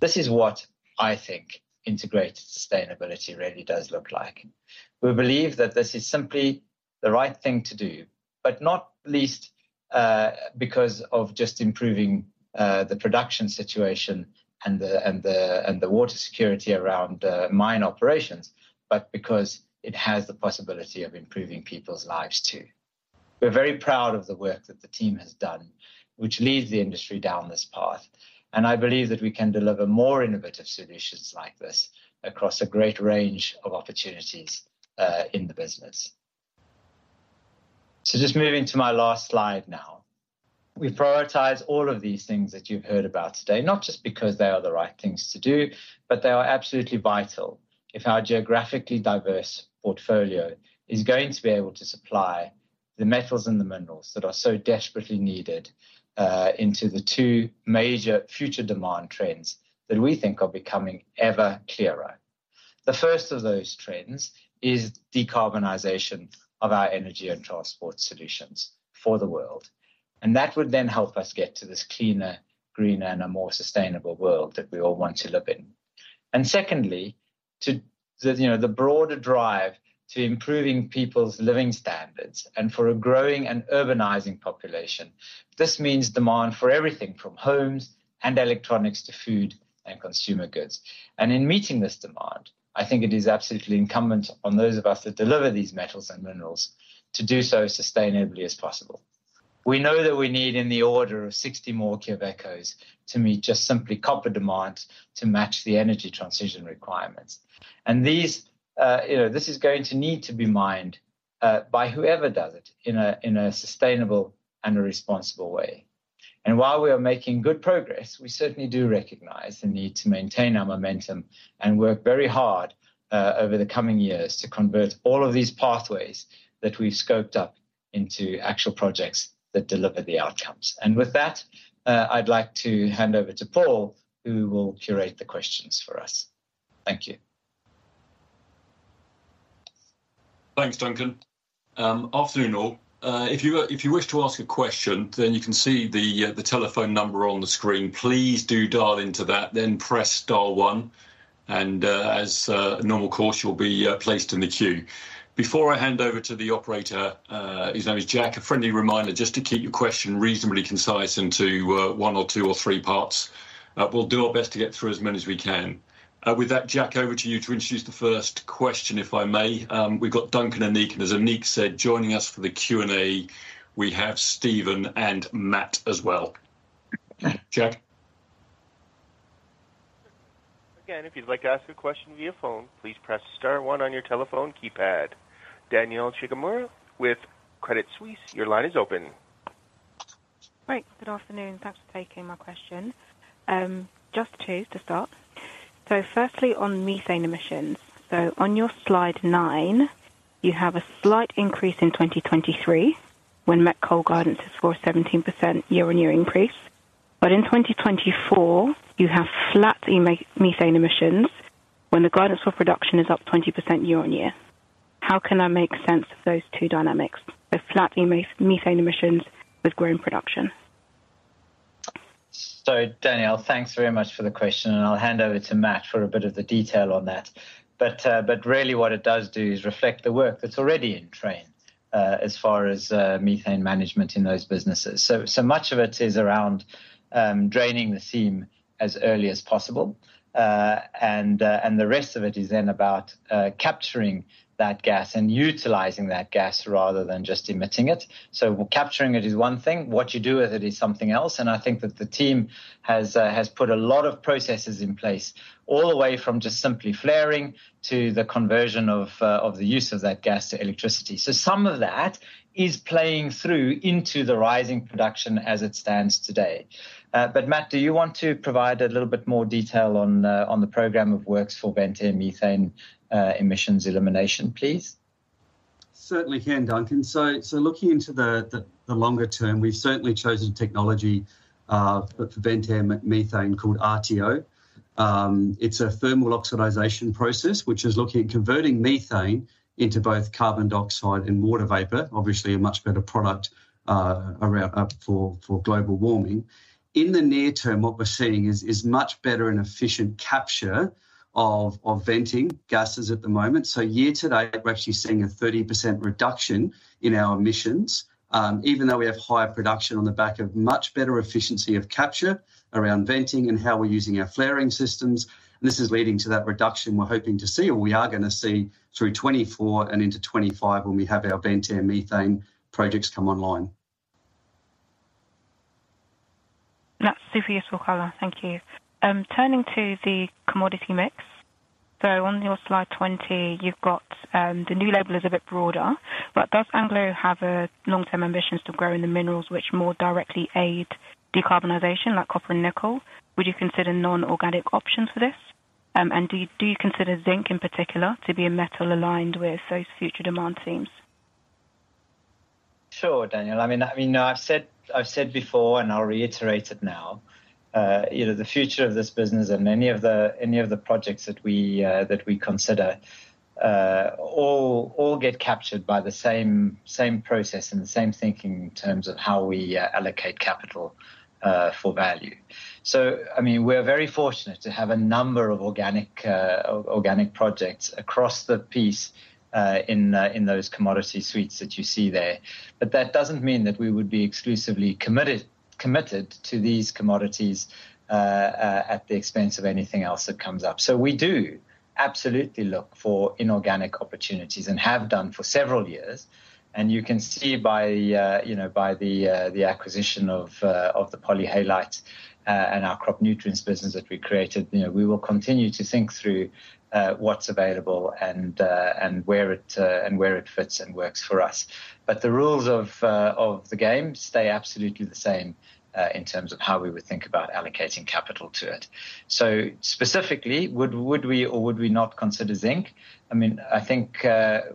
This is what I think integrated sustainability really does look like. We believe that this is simply the right thing to do, but not least, because of just improving the production situation and the water security around mine operations, but because it has the possibility of improving people's lives too. We're very proud of the work that the team has done, which leads the industry down this path, and I believe that we can deliver more innovative solutions like this across a great range of opportunities in the business. Just moving to my last slide now. We prioritize all of these things that you've heard about today, not just because they are the right things to do, but they are absolutely vital if our geographically diverse portfolio is going to be able to supply the metals and the minerals that are so desperately needed, into the two major future demand trends that we think are becoming ever clearer. The first of those trends is decarbonization of our energy and transport solutions for the world. That would then help us get to this cleaner, greener, and a more sustainable world that we all want to live in. Secondly, to the, you know, the broader drive to improving people's living standards and for a growing and urbanizing population. This means demand for everything from homes and electronics to food and consumer goods. In meeting this demand, I think it is absolutely incumbent on those of us that deliver these metals and minerals to do so sustainably as possible. We know that we need in the order of 60 more Quellavecos to meet just simply copper demand to match the energy transition requirements. These, you know, this is going to need to be mined by whoever does it in a sustainable and a responsible way. While we are making good progress, we certainly do recognize the need to maintain our momentum and work very hard over the coming years to convert all of these pathways that we've scoped up into actual projects that deliver the outcomes. With that, I'd like to hand over to Paul, who will curate the questions for us. Thank you. Thanks, Duncan. Afternoon all. If you wish to ask a question, you can see the telephone number on the screen. Please do dial into that, then press star one, as normal course, you'll be placed in the queue. Before I hand over to the operator, his name is Jack, a friendly reminder just to keep your question reasonably concise into one or two or three parts. We'll do our best to get through as many as we can. With that, Jack, over to you to introduce the first question, if I may. We've got Duncan and Anik. As Anik said, joining us for the Q&A, we have Stephen and Matt as well. Jack. If you'd like to ask a question via phone, please press star one on your telephone keypad. Danielle Chigumira with Credit Suisse, your line is open. Great. Good afternoon. Thanks for taking my question. Just two to start. Firstly, on methane emissions. On your slide nine, you have a slight increase in 2023 when Met Coal guidance is for a 17% YoY increase. In 2024, you have flat methane emissions when the guidance for production is up 20% YoY. How can I make sense of those two dynamics, both flattening methane emissions with growing production? Danielle, thanks very much for the question, and I'll hand over to Matt for a bit of the detail on that. Really what it does do is reflect the work that's already in train as far as methane management in those businesses. Much of it is around draining the seam as early as possible. And the rest of it is then about capturing that gas and utilizing that gas rather than just emitting it. Capturing it is one thing. What you do with it is something else, and I think that the team has put a lot of processes in place all the way from just simply flaring to the conversion of the use of that gas to electricity. Some of that is playing through into the rising production as it stands today. Matt, do you want to provide a little bit more detail on the program of works for Venetia methane emissions elimination, please? Certainly can, Duncan. Looking into the longer term, we've certainly chosen technology for Venetia methane called RTO. It's a thermal oxidation process, which is looking at converting methane into both carbon dioxide and water vapor. Obviously, a much better product around for global warming. In the near term, what we're seeing is much better and efficient capture of venting gases at the moment. Year to date, we're actually seeing a 30% reduction in our emissions, even though we have higher production on the back of much better efficiency of capture around venting and how we're using our flaring systems. This is leading to that reduction we're hoping to see, or we are gonna see through 2024 and into 2025 when we have our Venetia methane projects come online. That's super useful color. Thank you. Turning to the commodity mix. On your slide 20, you've got, the new label is a bit broader, but does Anglo have a long-term ambitions to grow in the minerals which more directly aid decarbonization like copper and nickel? Would you consider non-organic options for this? Do you consider zinc, in particular, to be a metal aligned with those future demand themes? Sure, Danielle. I mean, I've said before and I'll reiterate it now, you know, the future of this business and any of the projects that we consider all get captured by the same process and the same thinking in terms of how we allocate capital for value. I mean, we're very fortunate to have a number of organic projects across the piece in those commodity suites that you see there. But that doesn't mean that we would be exclusively committed to these commodities at the expense of anything else that comes up. We do absolutely look for inorganic opportunities and have done for several years. You can see by the acquisition of the polyhalite and our Crop Nutrients business that we created. We will continue to think through what's available and where it fits and works for us. The rules of the game stay absolutely the same in terms of how we would think about allocating capital to it. Specifically, would we or would we not consider zinc? I mean, I think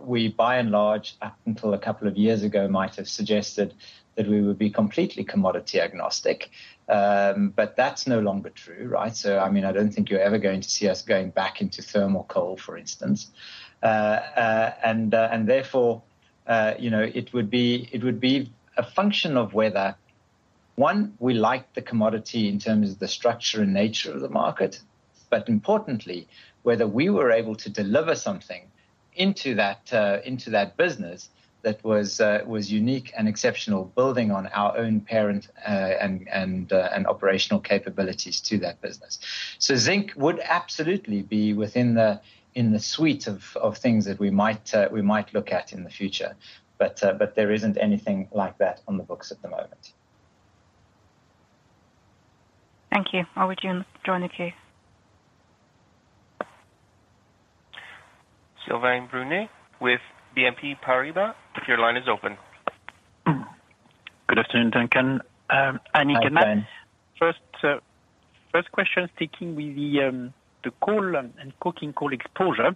we by and large, up until a couple of years ago, might have suggested that we would be completely commodity agnostic. That's no longer true, right? I mean, I don't think you're ever going to see us going back into thermal coal, for instance. Therefore, you know, it would be a function of whether, one, we like the commodity in terms of the structure and nature of the market. Importantly, whether we were able to deliver something into that business that was unique and exceptional, building on our own parent, and operational capabilities to that business. Zinc would absolutely be within the suite of things that we might look at in the future. There isn't anything like that on the books at the moment. Thank you. I would join the queue. Sylvain Brunet with BNP Paribas. Your line is open. Good afternoon, Duncan. You good morning. Hi, Sylvain. First, first question is sticking with the coal and coking coal exposure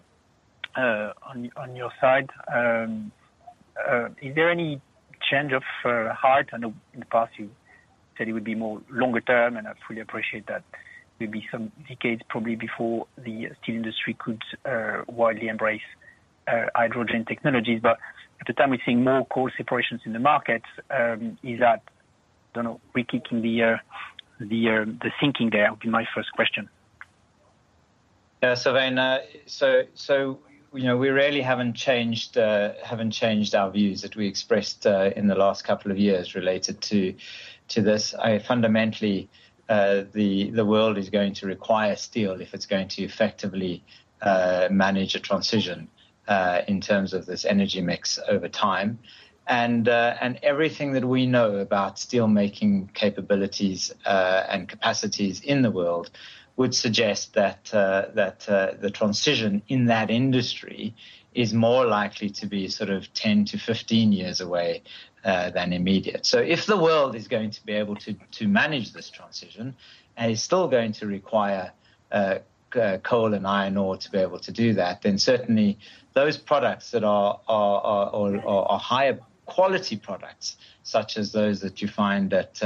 on your side. Is there any change of heart? I know in the past you said it would be more longer term, and I fully appreciate that. There'll be some decades probably before the steel industry could widely embrace hydrogen technologies. At the time, we're seeing more coal separations in the market. Is that, I don't know, re-kicking the thinking there would be my first question. Yeah. Sylvain, you know, we really haven't changed our views that we expressed in the last couple of years related to this. Fundamentally, the world is going to require steel if it's going to effectively manage a transition in terms of this energy mix over time. Everything that we know about steelmaking capabilities and capacities in the world would suggest that the transition in that industry is more likely to be sort of 10-15 years away than immediate. If the world is going to be able to manage this transition and is still going to require coal and iron ore to be able to do that, then certainly those products that are higher quality products such as those that you find at,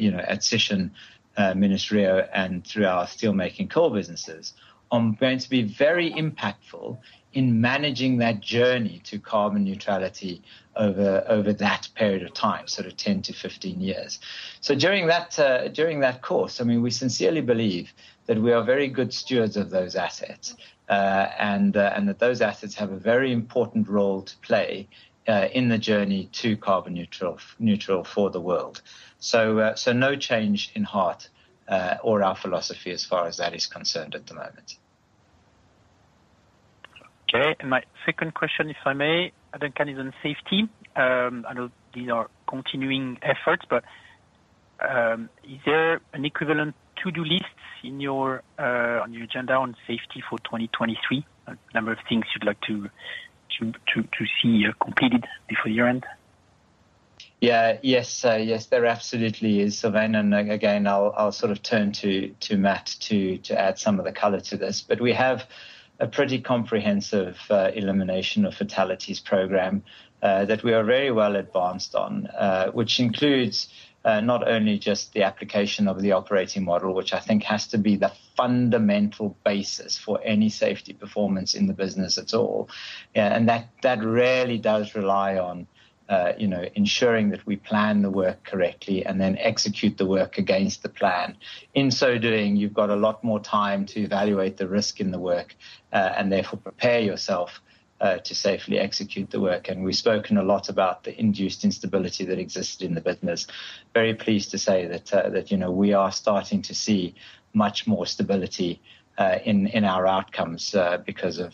you know, at Sishen, Minas-Rio and through our steelmaking coal businesses, are going to be very impactful in managing that journey to carbon neutrality over that period of time, sort of 10-15 years. During that course, I mean, we sincerely believe that we are very good stewards of those assets. And that those assets have a very important role to play in the journey to carbon neutral for the world. No change in heart, or our philosophy as far as that is concerned at the moment. Okay. My second question, if I may, Duncan, is on safety. I know these are continuing efforts, but is there an equivalent to-do list in your on your agenda on safety for 2023? A number of things you'd like to see completed before year-end? Yeah. Yes. Yes, there absolutely is. Again, I'll sort of turn to Matt to add some of the color to this. We have a pretty comprehensive elimination of fatalities program that we are very well advanced on, which includes not only just the application of the operating model, which I think has to be the fundamental basis for any safety performance in the business at all. Yeah. That rarely does rely on, you know, ensuring that we plan the work correctly and then execute the work against the plan. In so doing, you've got a lot more time to evaluate the risk in the work, and therefore prepare yourself to safely execute the work. We've spoken a lot about the induced instability that existed in the business. Very pleased to say that, you know, we are starting to see much more stability in our outcomes because of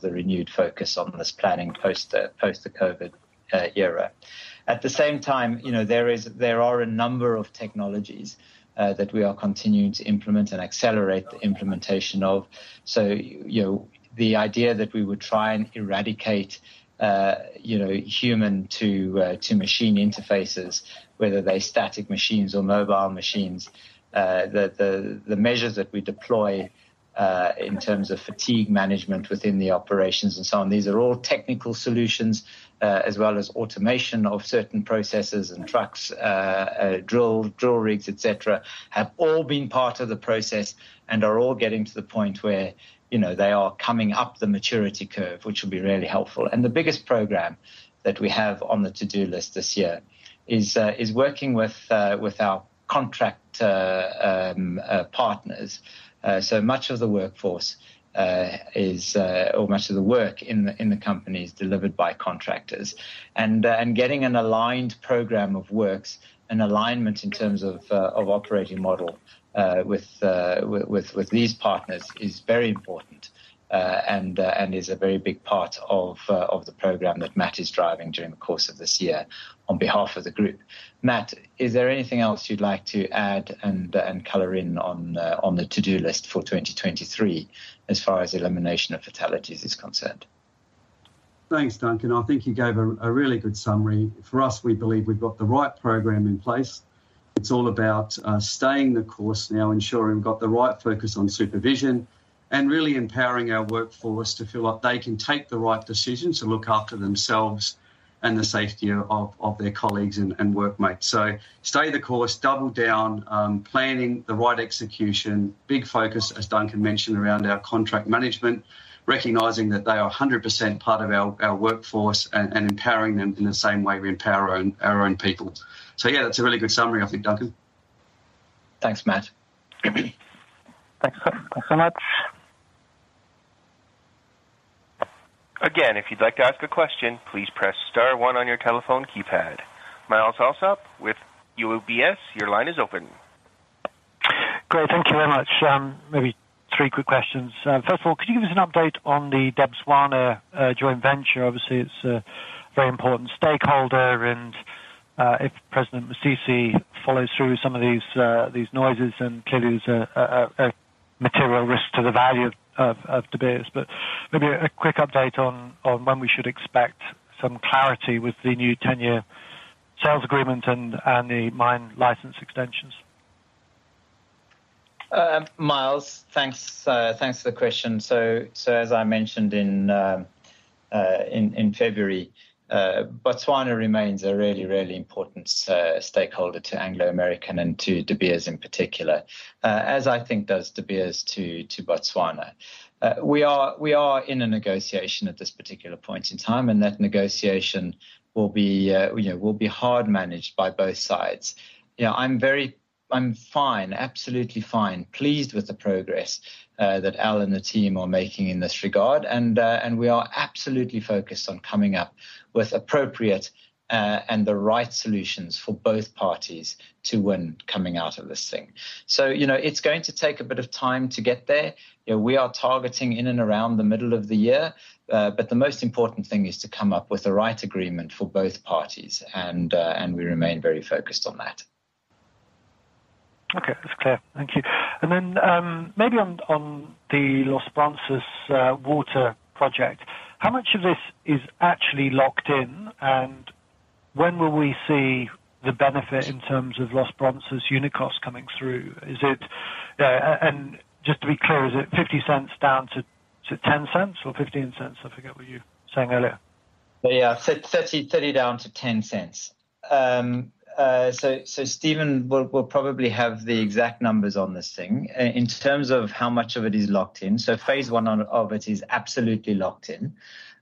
the renewed focus on this planning post the COVID era. At the same time, you know, there are a number of technologies that we are continuing to implement and accelerate the implementation of. You know, the idea that we would try and eradicate, you know, human to machine interfaces, whether they're static machines or mobile machines, the measures that we deploy in terms of fatigue management within the operations and so on, these are all technical solutions, as well as automation of certain processes and trucks, drill rigs, et cetera, have all been part of the process and are all getting to the point where, you know, they are coming up the maturity curve, which will be really helpful. The biggest program that we have on the to-do list this year is working with our contractor partners. So much of the workforce is or much of the work in the company is delivered by contractors. Getting an aligned program of works and alignment in terms of operating model with these partners is very important and is a very big part of the program that Matt is driving during the course of this year on behalf of the group. Matt, is there anything else you'd like to add and color in on the to-do list for 2023 as far as elimination of fatalities is concerned? Thanks, Duncan. I think you gave a really good summary. For us, we believe we've got the right program in place. It's all about staying the course now, ensuring we've got the right focus on supervision, and really empowering our workforce to feel like they can take the right decisions to look after themselves and the safety of their colleagues and workmates. Stay the course, double down, planning the right execution. Big focus, as Duncan mentioned, around our contract management, recognizing that they are 100% part of our workforce and empowering them in the same way we empower our own people. Yeah, that's a really good summary, I think, Duncan. Thanks, Matt. Thanks. Thanks so much. If you'd like to ask a question, please press star one on your telephone keypad. Myles Allsop with UBS, your line is open. Great. Thank you very much. Maybe three quick questions. First of all, could you give us an update on the Debswana joint venture? Obviously, it's a very important stakeholder and if President Masisi follows through some of these these noises, then clearly there's a material risk to the value of De Beers. Maybe a quick update on when we should expect some clarity with the new 10-year sales agreement and the mine license extensions. Myles, thanks. Thanks for the question. As I mentioned in February, Botswana remains a really, really important stakeholder to Anglo American and to De Beers in particular, as I think does De Beers to Botswana. We are in a negotiation at this particular point in time, and that negotiation will be, you know, will be hard managed by both sides. You know, I'm fine, absolutely fine, pleased with the progress that Al and the team are making in this regard, and we are absolutely focused on coming up with appropriate and the right solutions for both parties to win coming out of this thing. You know, it's going to take a bit of time to get there. You know, we are targeting in and around the middle of the year, but the most important thing is to come up with the right agreement for both parties, and we remain very focused on that. Okay. That's clear. Thank you. Then, maybe on the Los Bronces water project, how much of this is actually locked in, and when will we see the benefit in terms of Los Bronces unit cost coming through? Is it, and just to be clear, is it $0.50 down to $0.10 or $0.15? I forget what you were saying earlier. Yeah, $0.30 down to $0.10. So Stephen will probably have the exact numbers on this thing. In terms of how much of it is locked in, so phase one of it is absolutely locked in.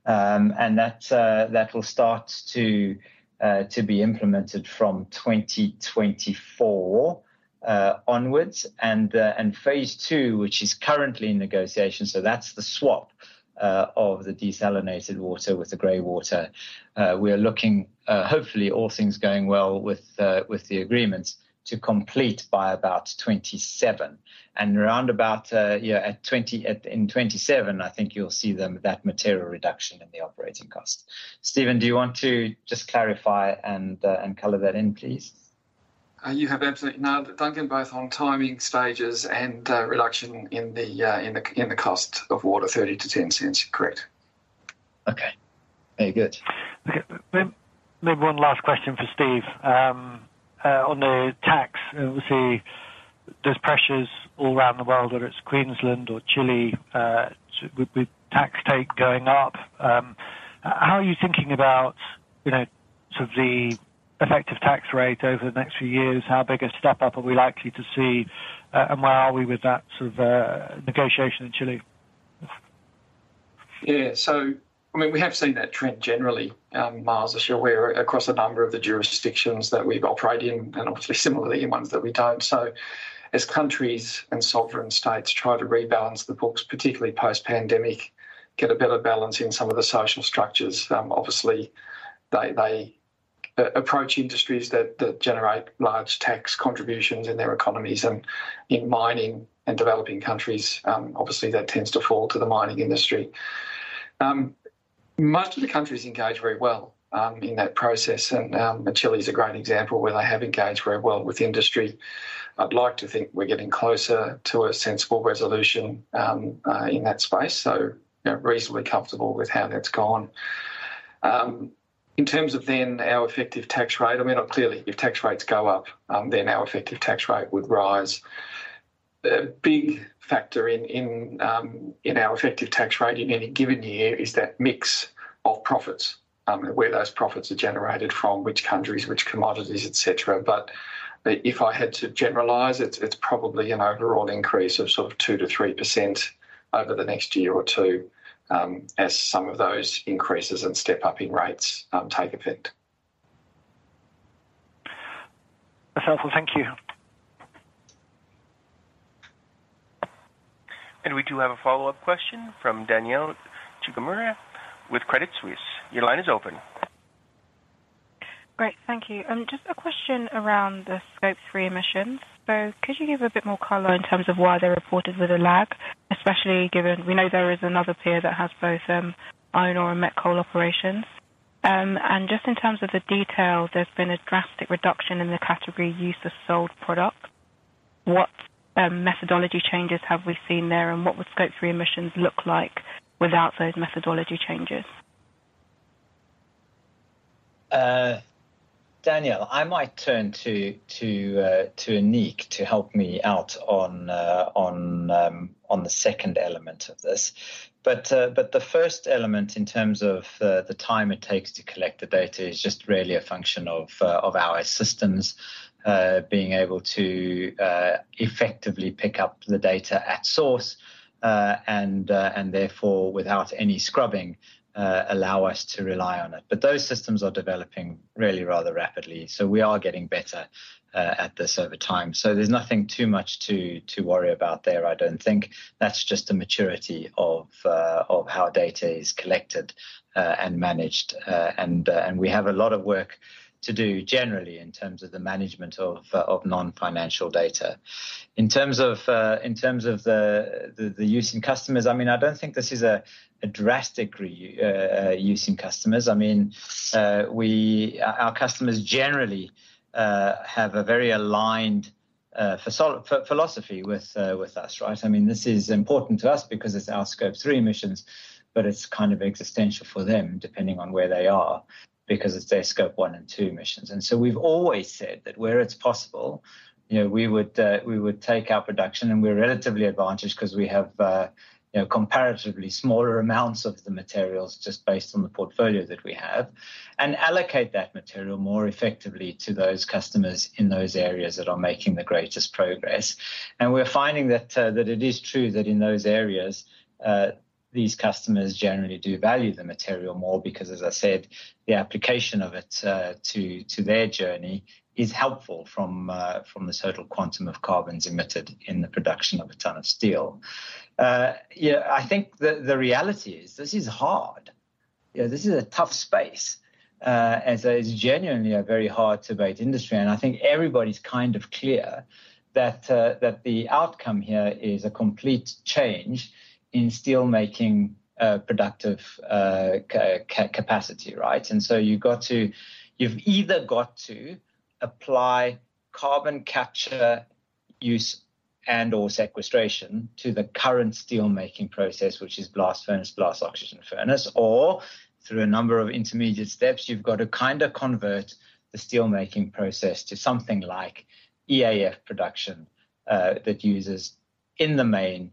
That will start to be implemented from 2024 onwards. Phase two, which is currently in negotiation, so that's the swap of the desalinated water with the gray water. We are looking, hopefully all things going well with the agreements to complete by about 2027. Around about, yeah, in 2027, I think you'll see them, that material reduction in the operating cost. Stephen, do you want to just clarify and color that in, please? You have absolutely nailed it, Duncan, both on timing stages and reduction in the cost of water, $0.30-$0.10. Correct. Okay. Very good. Okay. Maybe one last question for Stephen. On the tax, obviously, there's pressures all around the world, whether it's Queensland or Chile, with tax take going up. How are you thinking about, you know, sort of the effective tax rate over the next few years? How big a step up are we likely to see, and where are we with that sort of negotiation in Chile? I mean, we have seen that trend generally, Myles, as you're aware, across a number of the jurisdictions that we've operated in, and obviously similarly in ones that we don't. As countries and sovereign states try to rebalance the books, particularly post-pandemic, get a better balance in some of the social structures, obviously they approach industries that generate large tax contributions in their economies. In mining and developing countries, obviously that tends to fall to the mining industry. Most of the countries engage very well in that process. Chile is a great example where they have engaged very well with industry. I'd like to think we're getting closer to a sensible resolution in that space, so, you know, reasonably comfortable with how that's gone. In terms of then our effective tax rate, I mean, clearly if tax rates go up, then our effective tax rate would rise. A big factor in our effective tax rate in any given year is that mix of profits, and where those profits are generated from which countries, which commodities, et cetera. If I had to generalize, it's probably an overall increase of sort of 2%-3% over the next year or two, as some of those increases and step up in rates take effect. That's helpful. Thank you. We do have a follow-up question from Danielle Chigumira with Credit Suisse. Your line is open. Great. Thank you. Just a question around the Scope three emissions. Could you give a bit more color in terms of why they're reported with a lag, especially given we know there is another peer that has both iron ore and Met Coal operations. Just in terms of the detail, there's been a drastic reduction in the category use of sold product. What methodology changes have we seen there, and what would Scope three emissions look like without those methodology changes? Danielle, I might turn to Anik to help me out on the second element of this. The first element in terms of the time it takes to collect the data is just really a function of our systems being able to effectively pick up the data at source. Therefore without any scrubbing, allow us to rely on it. Those systems are developing really rather rapidly, so we are getting better at this over time. There's nothing too much to worry about there, I don't think. That's just a maturity of how data is collected and managed. We have a lot of work to do generally in terms of the management of non-financial data. In terms of, in terms of the use in customers, I mean, I don't think this is a drastic use in customers. I mean, our customers generally have a very aligned philosophy with us, right? I mean, this is important to us because it's our Scope three emissions, but it's kind of existential for them depending on where they are because it's their Scope on and 2 emissions. We've always said that where it's possible, you know, we would, we would take our production, and we're relatively advantaged 'cause we have, you know, comparatively smaller amounts of the materials just based on the portfolio that we have, and allocate that material more effectively to those customers in those areas that are making the greatest progress. We're finding that it is true that in those areas, these customers generally do value the material more because, as I said, the application of it to their journey is helpful from the total quantum of carbons emitted in the production of a ton of steel. Yeah, I think the reality is this is hard. You know, this is a tough space. So it's genuinely a very hard-to-abate industry. I think everybody's kind of clear that the outcome here is a complete change in steelmaking productive capacity, right? So you've got to... You've either got to apply carbon capture use and/or sequestration to the current steelmaking process, which is blast furnace, basic oxygen furnace, or through a number of intermediate steps, you've got to kind of convert the steelmaking process to something like EAF production, that uses in the main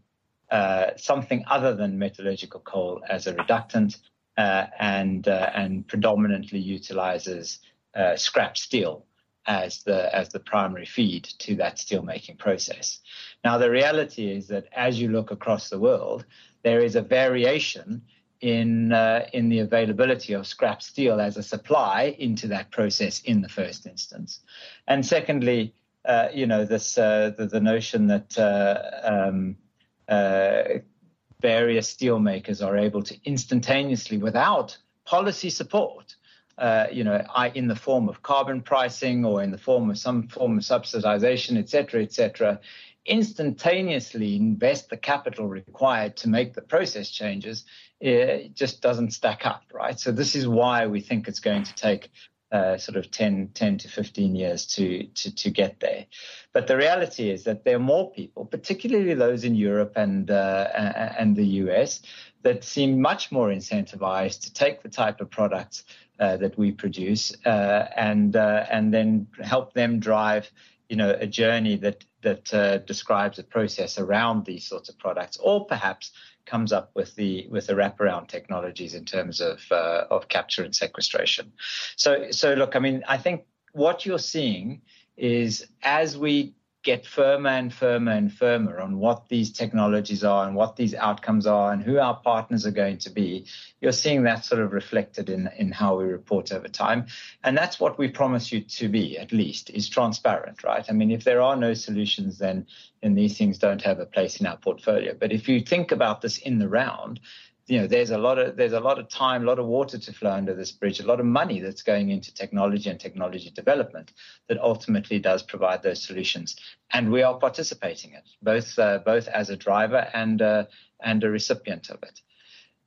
something other than metallurgical coal as a reductant, and predominantly utilizes scrap steel as the, as the primary feed to that steelmaking process. The reality is that as you look across the world, there is a variation in the availability of scrap steel as a supply into that process in the first instance. Secondly, you know, this, the notion that various steel makers are able to instantaneously without policy support, you know, in the form of carbon pricing or in the form of some form of subsidization, et cetera, et cetera, instantaneously invest the capital required to make the process changes, it just doesn't stack up, right? This is why we think it's going to take, sort of 10-15 years to get there. The reality is that there are more people, particularly those in Europe and the US, that seem much more incentivized to take the type of products that we produce and then help them drive, you know, a journey that describes a process around these sorts of products, or perhaps comes up with the wraparound technologies in terms of capture and sequestration. Look, I mean, I think what you're seeing is as we get firmer and firmer and firmer on what these technologies are and what these outcomes are and who our partners are going to be, you're seeing that sort of reflected in how we report over time. That's what we promise you to be at least, is transparent, right? I mean, if there are no solutions, then these things don't have a place in our portfolio. If you think about this in the round, you know, there's a lot of time, a lot of water to flow under this bridge, a lot of money that's going into technology and technology development that ultimately does provide those solutions. We are participating it, both as a driver and a recipient of it.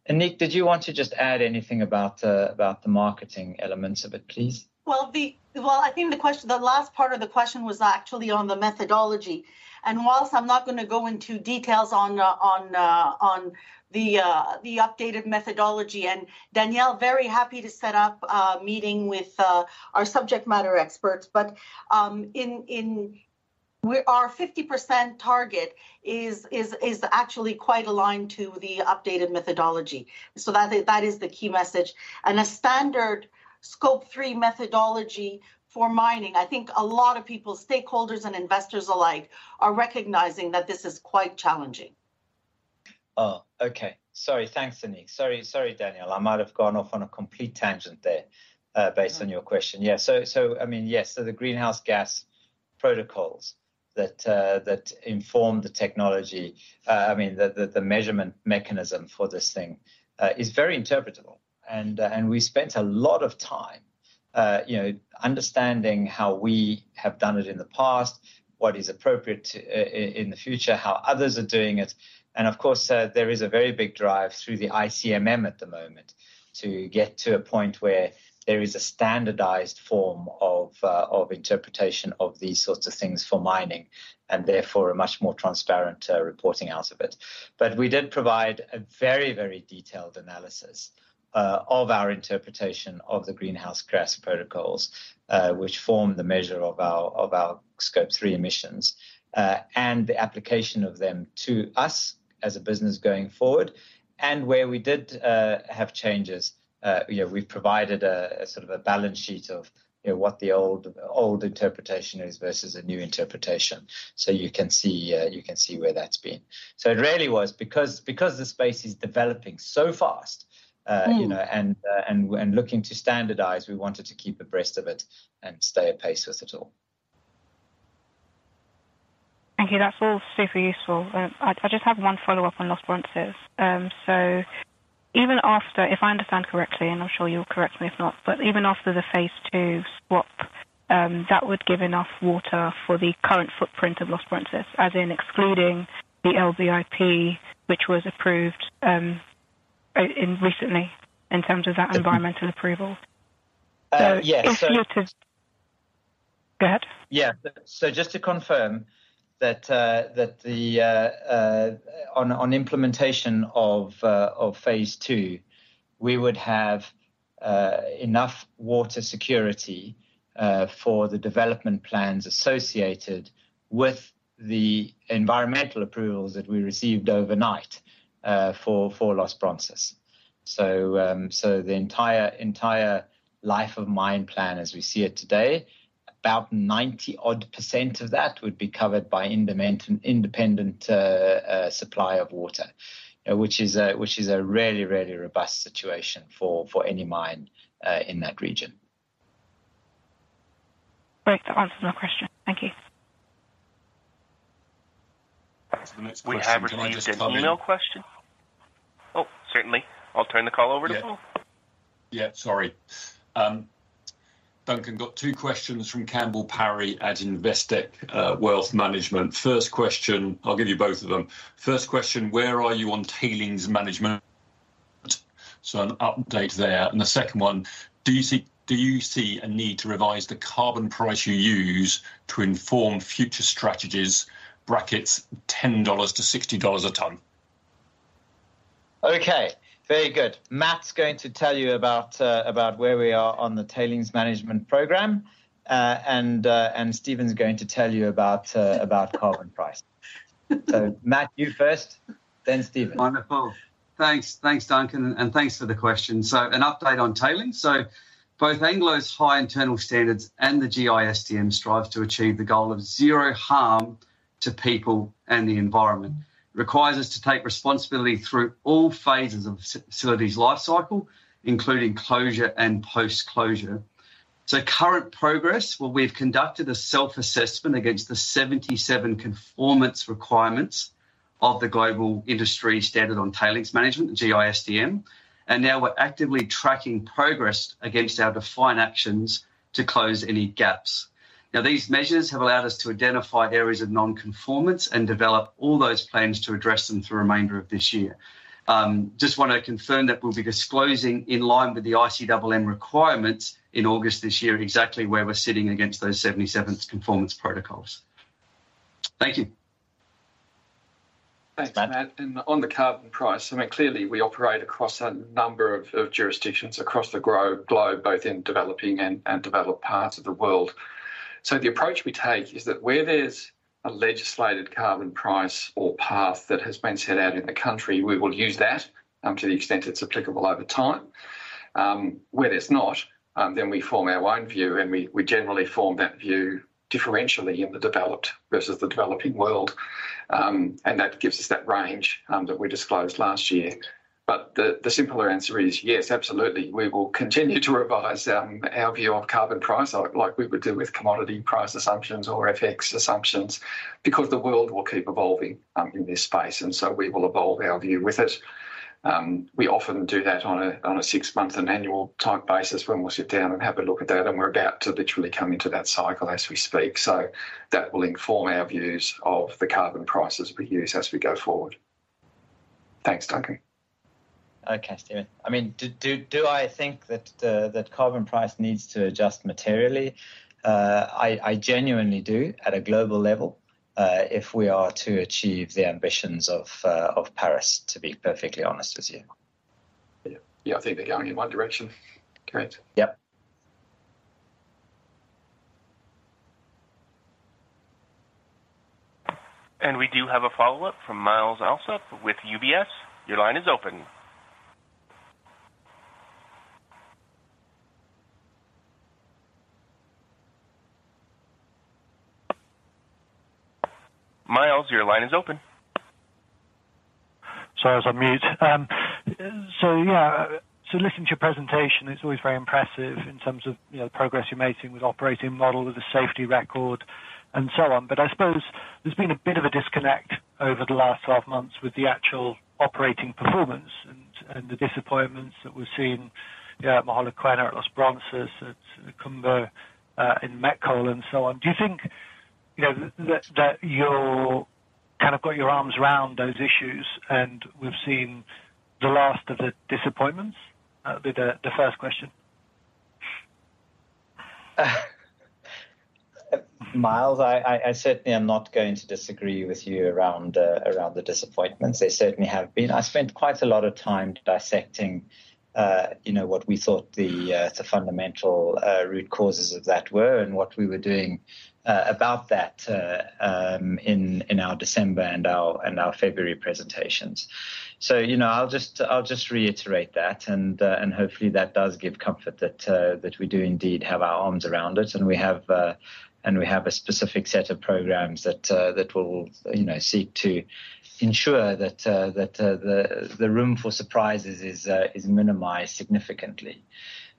Anik, did you want to just add anything about the marketing elements of it, please? Well, I think the question, the last part of the question was actually on the methodology. Whilst I'm not gonna go into details on the updated methodology, and Danielle, very happy to set up a meeting with our subject matter experts. In... We, our 50% target is actually quite aligned to the updated methodology. That is the key message. A standard Scope 3 methodology for mining, I think a lot of people, stakeholders and investors alike, are recognizing that this is quite challenging. Okay. Sorry. Thanks, Anik. Sorry, Danielle. I might have gone off on a complete tangent there, based on your question. I mean yes. The greenhouse gas protocols that inform the technology, I mean the measurement mechanism for this thing, is very interpretable. We spent a lot of time, you know, understanding how we have done it in the past, what is appropriate, in the future, how others are doing it. Of course, there is a very big drive through the ICMM at the moment to get to a point where there is a standardized form of interpretation of these sorts of things for mining, and therefore a much more transparent reporting out of it. We did provide a very, very detailed analysis of our interpretation of the Greenhouse Gas Protocol protocols, which form the measure of our, of our Scope three emissions, and the application of them to us as a business going forward. Where we did have changes, you know, we've provided a sort of a balance sheet of, you know, what the old interpretation is versus a new interpretation. You can see where that's been. It really was because the space is developing so fast, you know, and looking to standardize, we wanted to keep abreast of it and stay apace with it all. Thank you. That's all super useful. I just have one follow-up on Los Bronces. Even after, if I understand correctly, and I'm sure you'll correct me if not, but even after the phase two swap, that would give enough water for the current footprint of Los Bronces, as in excluding the LVIP, which was approved recently in terms of that environmental approval. Yeah. Go ahead. Yeah. Just to confirm that the on implementation of phase two, we would have enough water security for the development plans associated with the environmental approvals that we received overnight for Los Bronces. The entire life of mine plan as we see it today, about 90% of that would be covered by independent supply of water. You know, which is a really robust situation for any mine in that region. Great. That answers my question. Thank you. The next question. We have one email question. Oh, certainly. I'll turn the call over to Paul. Yeah. Sorry. Duncan, got two questions from Campbell Parry at Investec Wealth & Investment. First question, I'll give you both of them. First question, where are you on tailings management? An update there. The second one, do you see a need to revise the carbon price you use to inform future strategies brackets $10-$60 a ton? Okay, very good. Matt's going to tell you about where we are on the tailings management program. Stephen's going to tell you about carbon price. Matt, you first, then Stephen. Hi, Matt. Thanks. Thanks, Duncan, and thanks for the question. An update on tailings. Both Anglo's high internal standards and the GISTM strive to achieve the goal of zero harm to people and the environment. Requires us to take responsibility through all phases of facility's life cycle, including closure and post-closure. Current progress, well, we've conducted a self-assessment against the 77 conformance requirements of the Global Industry Standard on Tailings Management, GISTM. Now we're actively tracking progress against our defined actions to close any gaps. Now, these measures have allowed us to identify areas of non-conformance and develop all those plans to address them through the remainder of this year. Just wanna confirm that we'll be disclosing in line with the TNFD requirements in August this year, exactly where we're sitting against those 77 conformance protocols. Thank you. Thanks, Matt. On the carbon price, I mean, clearly, we operate across a number of jurisdictions across the globe, both in developing and developed parts of the world. The approach we take is that where there's a legislated carbon price or path that has been set out in the country, we will use that to the extent it's applicable over time. Where it's not, then, we form our own view, and we generally form that view differentially in the developed versus the developing world. That gives us that range that we disclosed last year. The simpler answer is yes, absolutely. We will continue to revise our view on carbon price like we would do with commodity price assumptions or FX assumptions, because the world will keep evolving in this space, and so we will evolve our view with it. We often do that on a six-month and annual type basis when we'll sit down and have a look at that, and we're about to literally come into that cycle as we speak. That will inform our views of the carbon prices we use as we go forward. Thanks, Duncan. Okay, Stephen. I mean, do I think that carbon price needs to adjust materially? I genuinely do at a global level, if we are to achieve the ambitions of Paris, to be perfectly honest with you. Yeah. Yeah, I think they're going in one direction. Great. Yep. We do have a follow-up from Myles Allsop with UBS. Your line is open. Myles, your line is open. Sorry, I was on mute. Yeah, so listening to your presentation, it's always very impressive in terms of, you know, the progress you're making with operating model, with the safety record, and so on. I suppose there's been a bit of a disconnect over the last 12 months with the actual operating performance and the disappointments that we've seen, you know, at Mogalakwena, at Los Bronces, at kumba, in Met Coal and so on. Do you think, you know, that you're kind of got your arms around those issues, and we've seen the last of the disappointments? That'd be the first question. Myles, I certainly am not going to disagree with you around the disappointments. They certainly have been. I spent quite a lot of time dissecting, you know, what we thought the fundamental root causes of that were and what we were doing about that in our December and our February presentations. You know, I'll just reiterate that, and hopefully that does give comfort that we do indeed have our arms around it. We have, and we have a specific set of programs that will, you know, seek to ensure that the room for surprises is minimized significantly.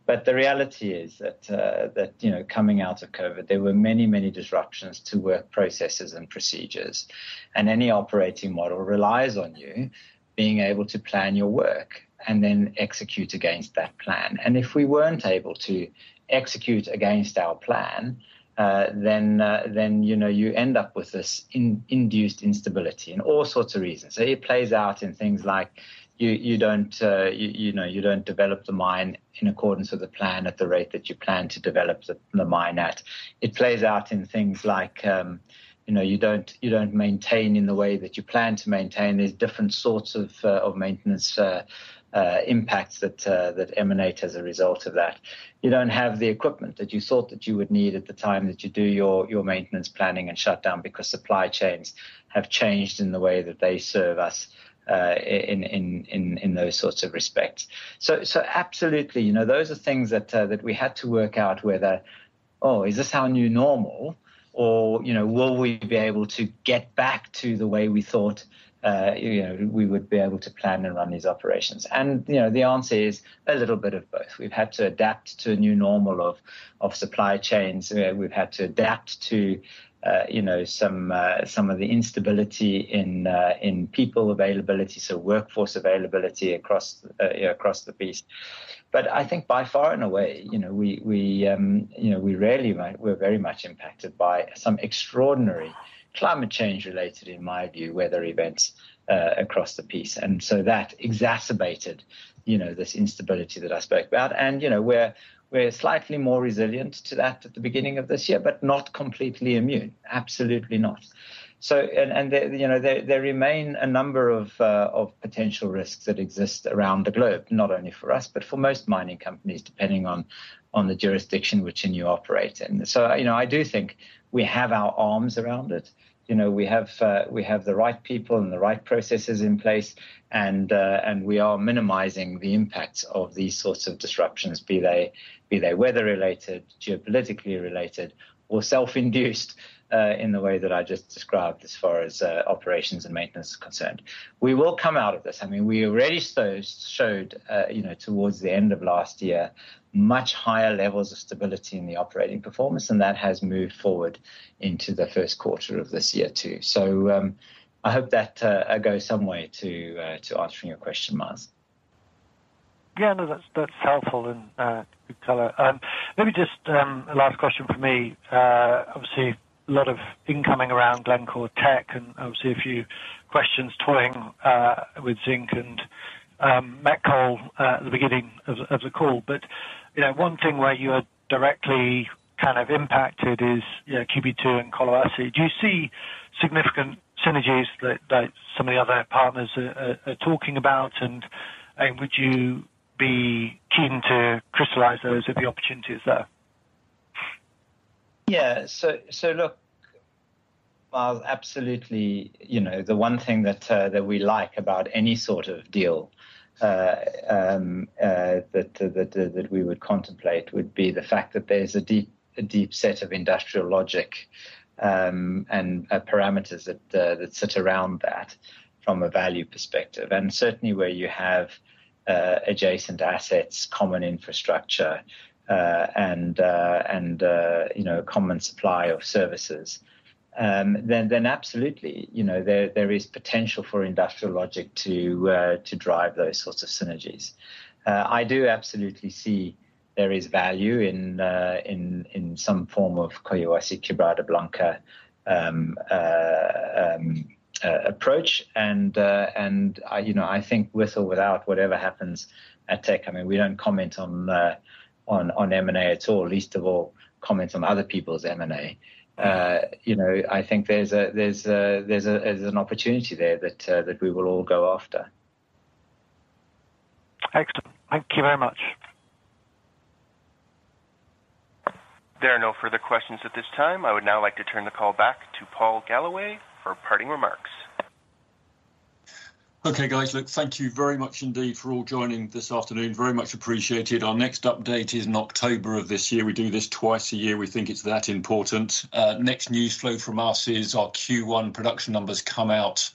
The reality is that, you know, coming out of COVID, there were many disruptions to work processes and procedures, and any operating model relies on you being able to plan your work and then execute against that plan. If we weren't able to execute against our plan, then, you know, you end up with this induced instability and all sorts of reasons. It plays out in things like you don't, you know, you don't develop the mine in accordance with the plan at the rate that you plan to develop the mine at. It plays out in things like, you know, you don't maintain in the way that you plan to maintain. There's different sorts of maintenance impacts that emanate as a result of that. You don't have the equipment that you thought that you would need at the time that you do your maintenance planning and shutdown because supply chains have changed in the way that they serve us in those sorts of respects. Absolutely, you know, those are things that we had to work out whether, is this our new normal or, you know, will we be able to get back to the way we thought, you know, we would be able to plan and run these operations? You know, the answer is a little bit of both. We've had to adapt to a new normal of supply chains. We've had to adapt to, you know, some of the instability in people availability, so workforce availability across the piece. I think by far and away, you know, we're very much impacted by some extraordinary climate change related, in my view, weather events across the piece. That exacerbated, you know, this instability that I spoke about. You know, we're slightly more resilient to that at the beginning of this year, but not completely immune. Absolutely not. You know, there remain a number of potential risks that exist around the globe, not only for us, but for most mining companies, depending on the jurisdiction which you operate in. You know, I do think we have our arms around it. You know, we have, we have the right people and the right processes in place. We are minimizing the impact of these sorts of disruptions, be they weather-related, geopolitically related, or self-induced, in the way that I just described as far as operations and maintenance is concerned. We will come out of this. I mean, we already showed, you know, towards the end of last year, much higher levels of stability in the operating performance. That has moved forward into the first quarter of this year too. I hope that goes some way to answering your question, Myles. Yeah, no, that's helpful and good color. Maybe just a last question from me. Obviously, a lot of incoming around Glencore / Teck, and obviously a few questions toying with zinc and Met Coal at the beginning of the call. You know, one thing where you are directly kind of impacted is, you know, QB2 and Collahuasi. Do you see significant synergies that some of the other partners are talking about? And would you be keen to crystallize those if the opportunity is there? Yeah. Look, Myles, absolutely, you know, the one thing that we like about any sort of deal that we would contemplate would be the fact that there's a deep set of industrial logic, and parameters that sit around that from a value perspective. Certainly where you have adjacent assets, common infrastructure, and, you know, common supply of services, then absolutely, you know, there is potential for industrial logic to drive those sorts of synergies. I do absolutely see there is value in some form of Collahuasi, Quebrada Blanca, approach. You know, I think with or without whatever happens at Teck, I mean, we don't comment on M&A at all, least of all comment on other people's M&A. You know, I think there's a, there's a, there's a, there's an opportunity there that we will all go after. Excellent. Thank you very much. There are no further questions at this time. I would now like to turn the call back to Paul Galloway for parting remarks. Okay, guys. Look, thank you very much indeed for all joining this afternoon. Very much appreciated. Our next update is in October of this year. We do this twice a year. We think it's that important. Next news flow from us is our Q1 production numbers come out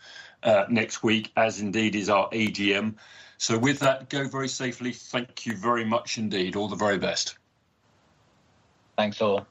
next week, as indeed is our AGM. With that, go very safely. Thank you very much indeed. All the very best. Thanks all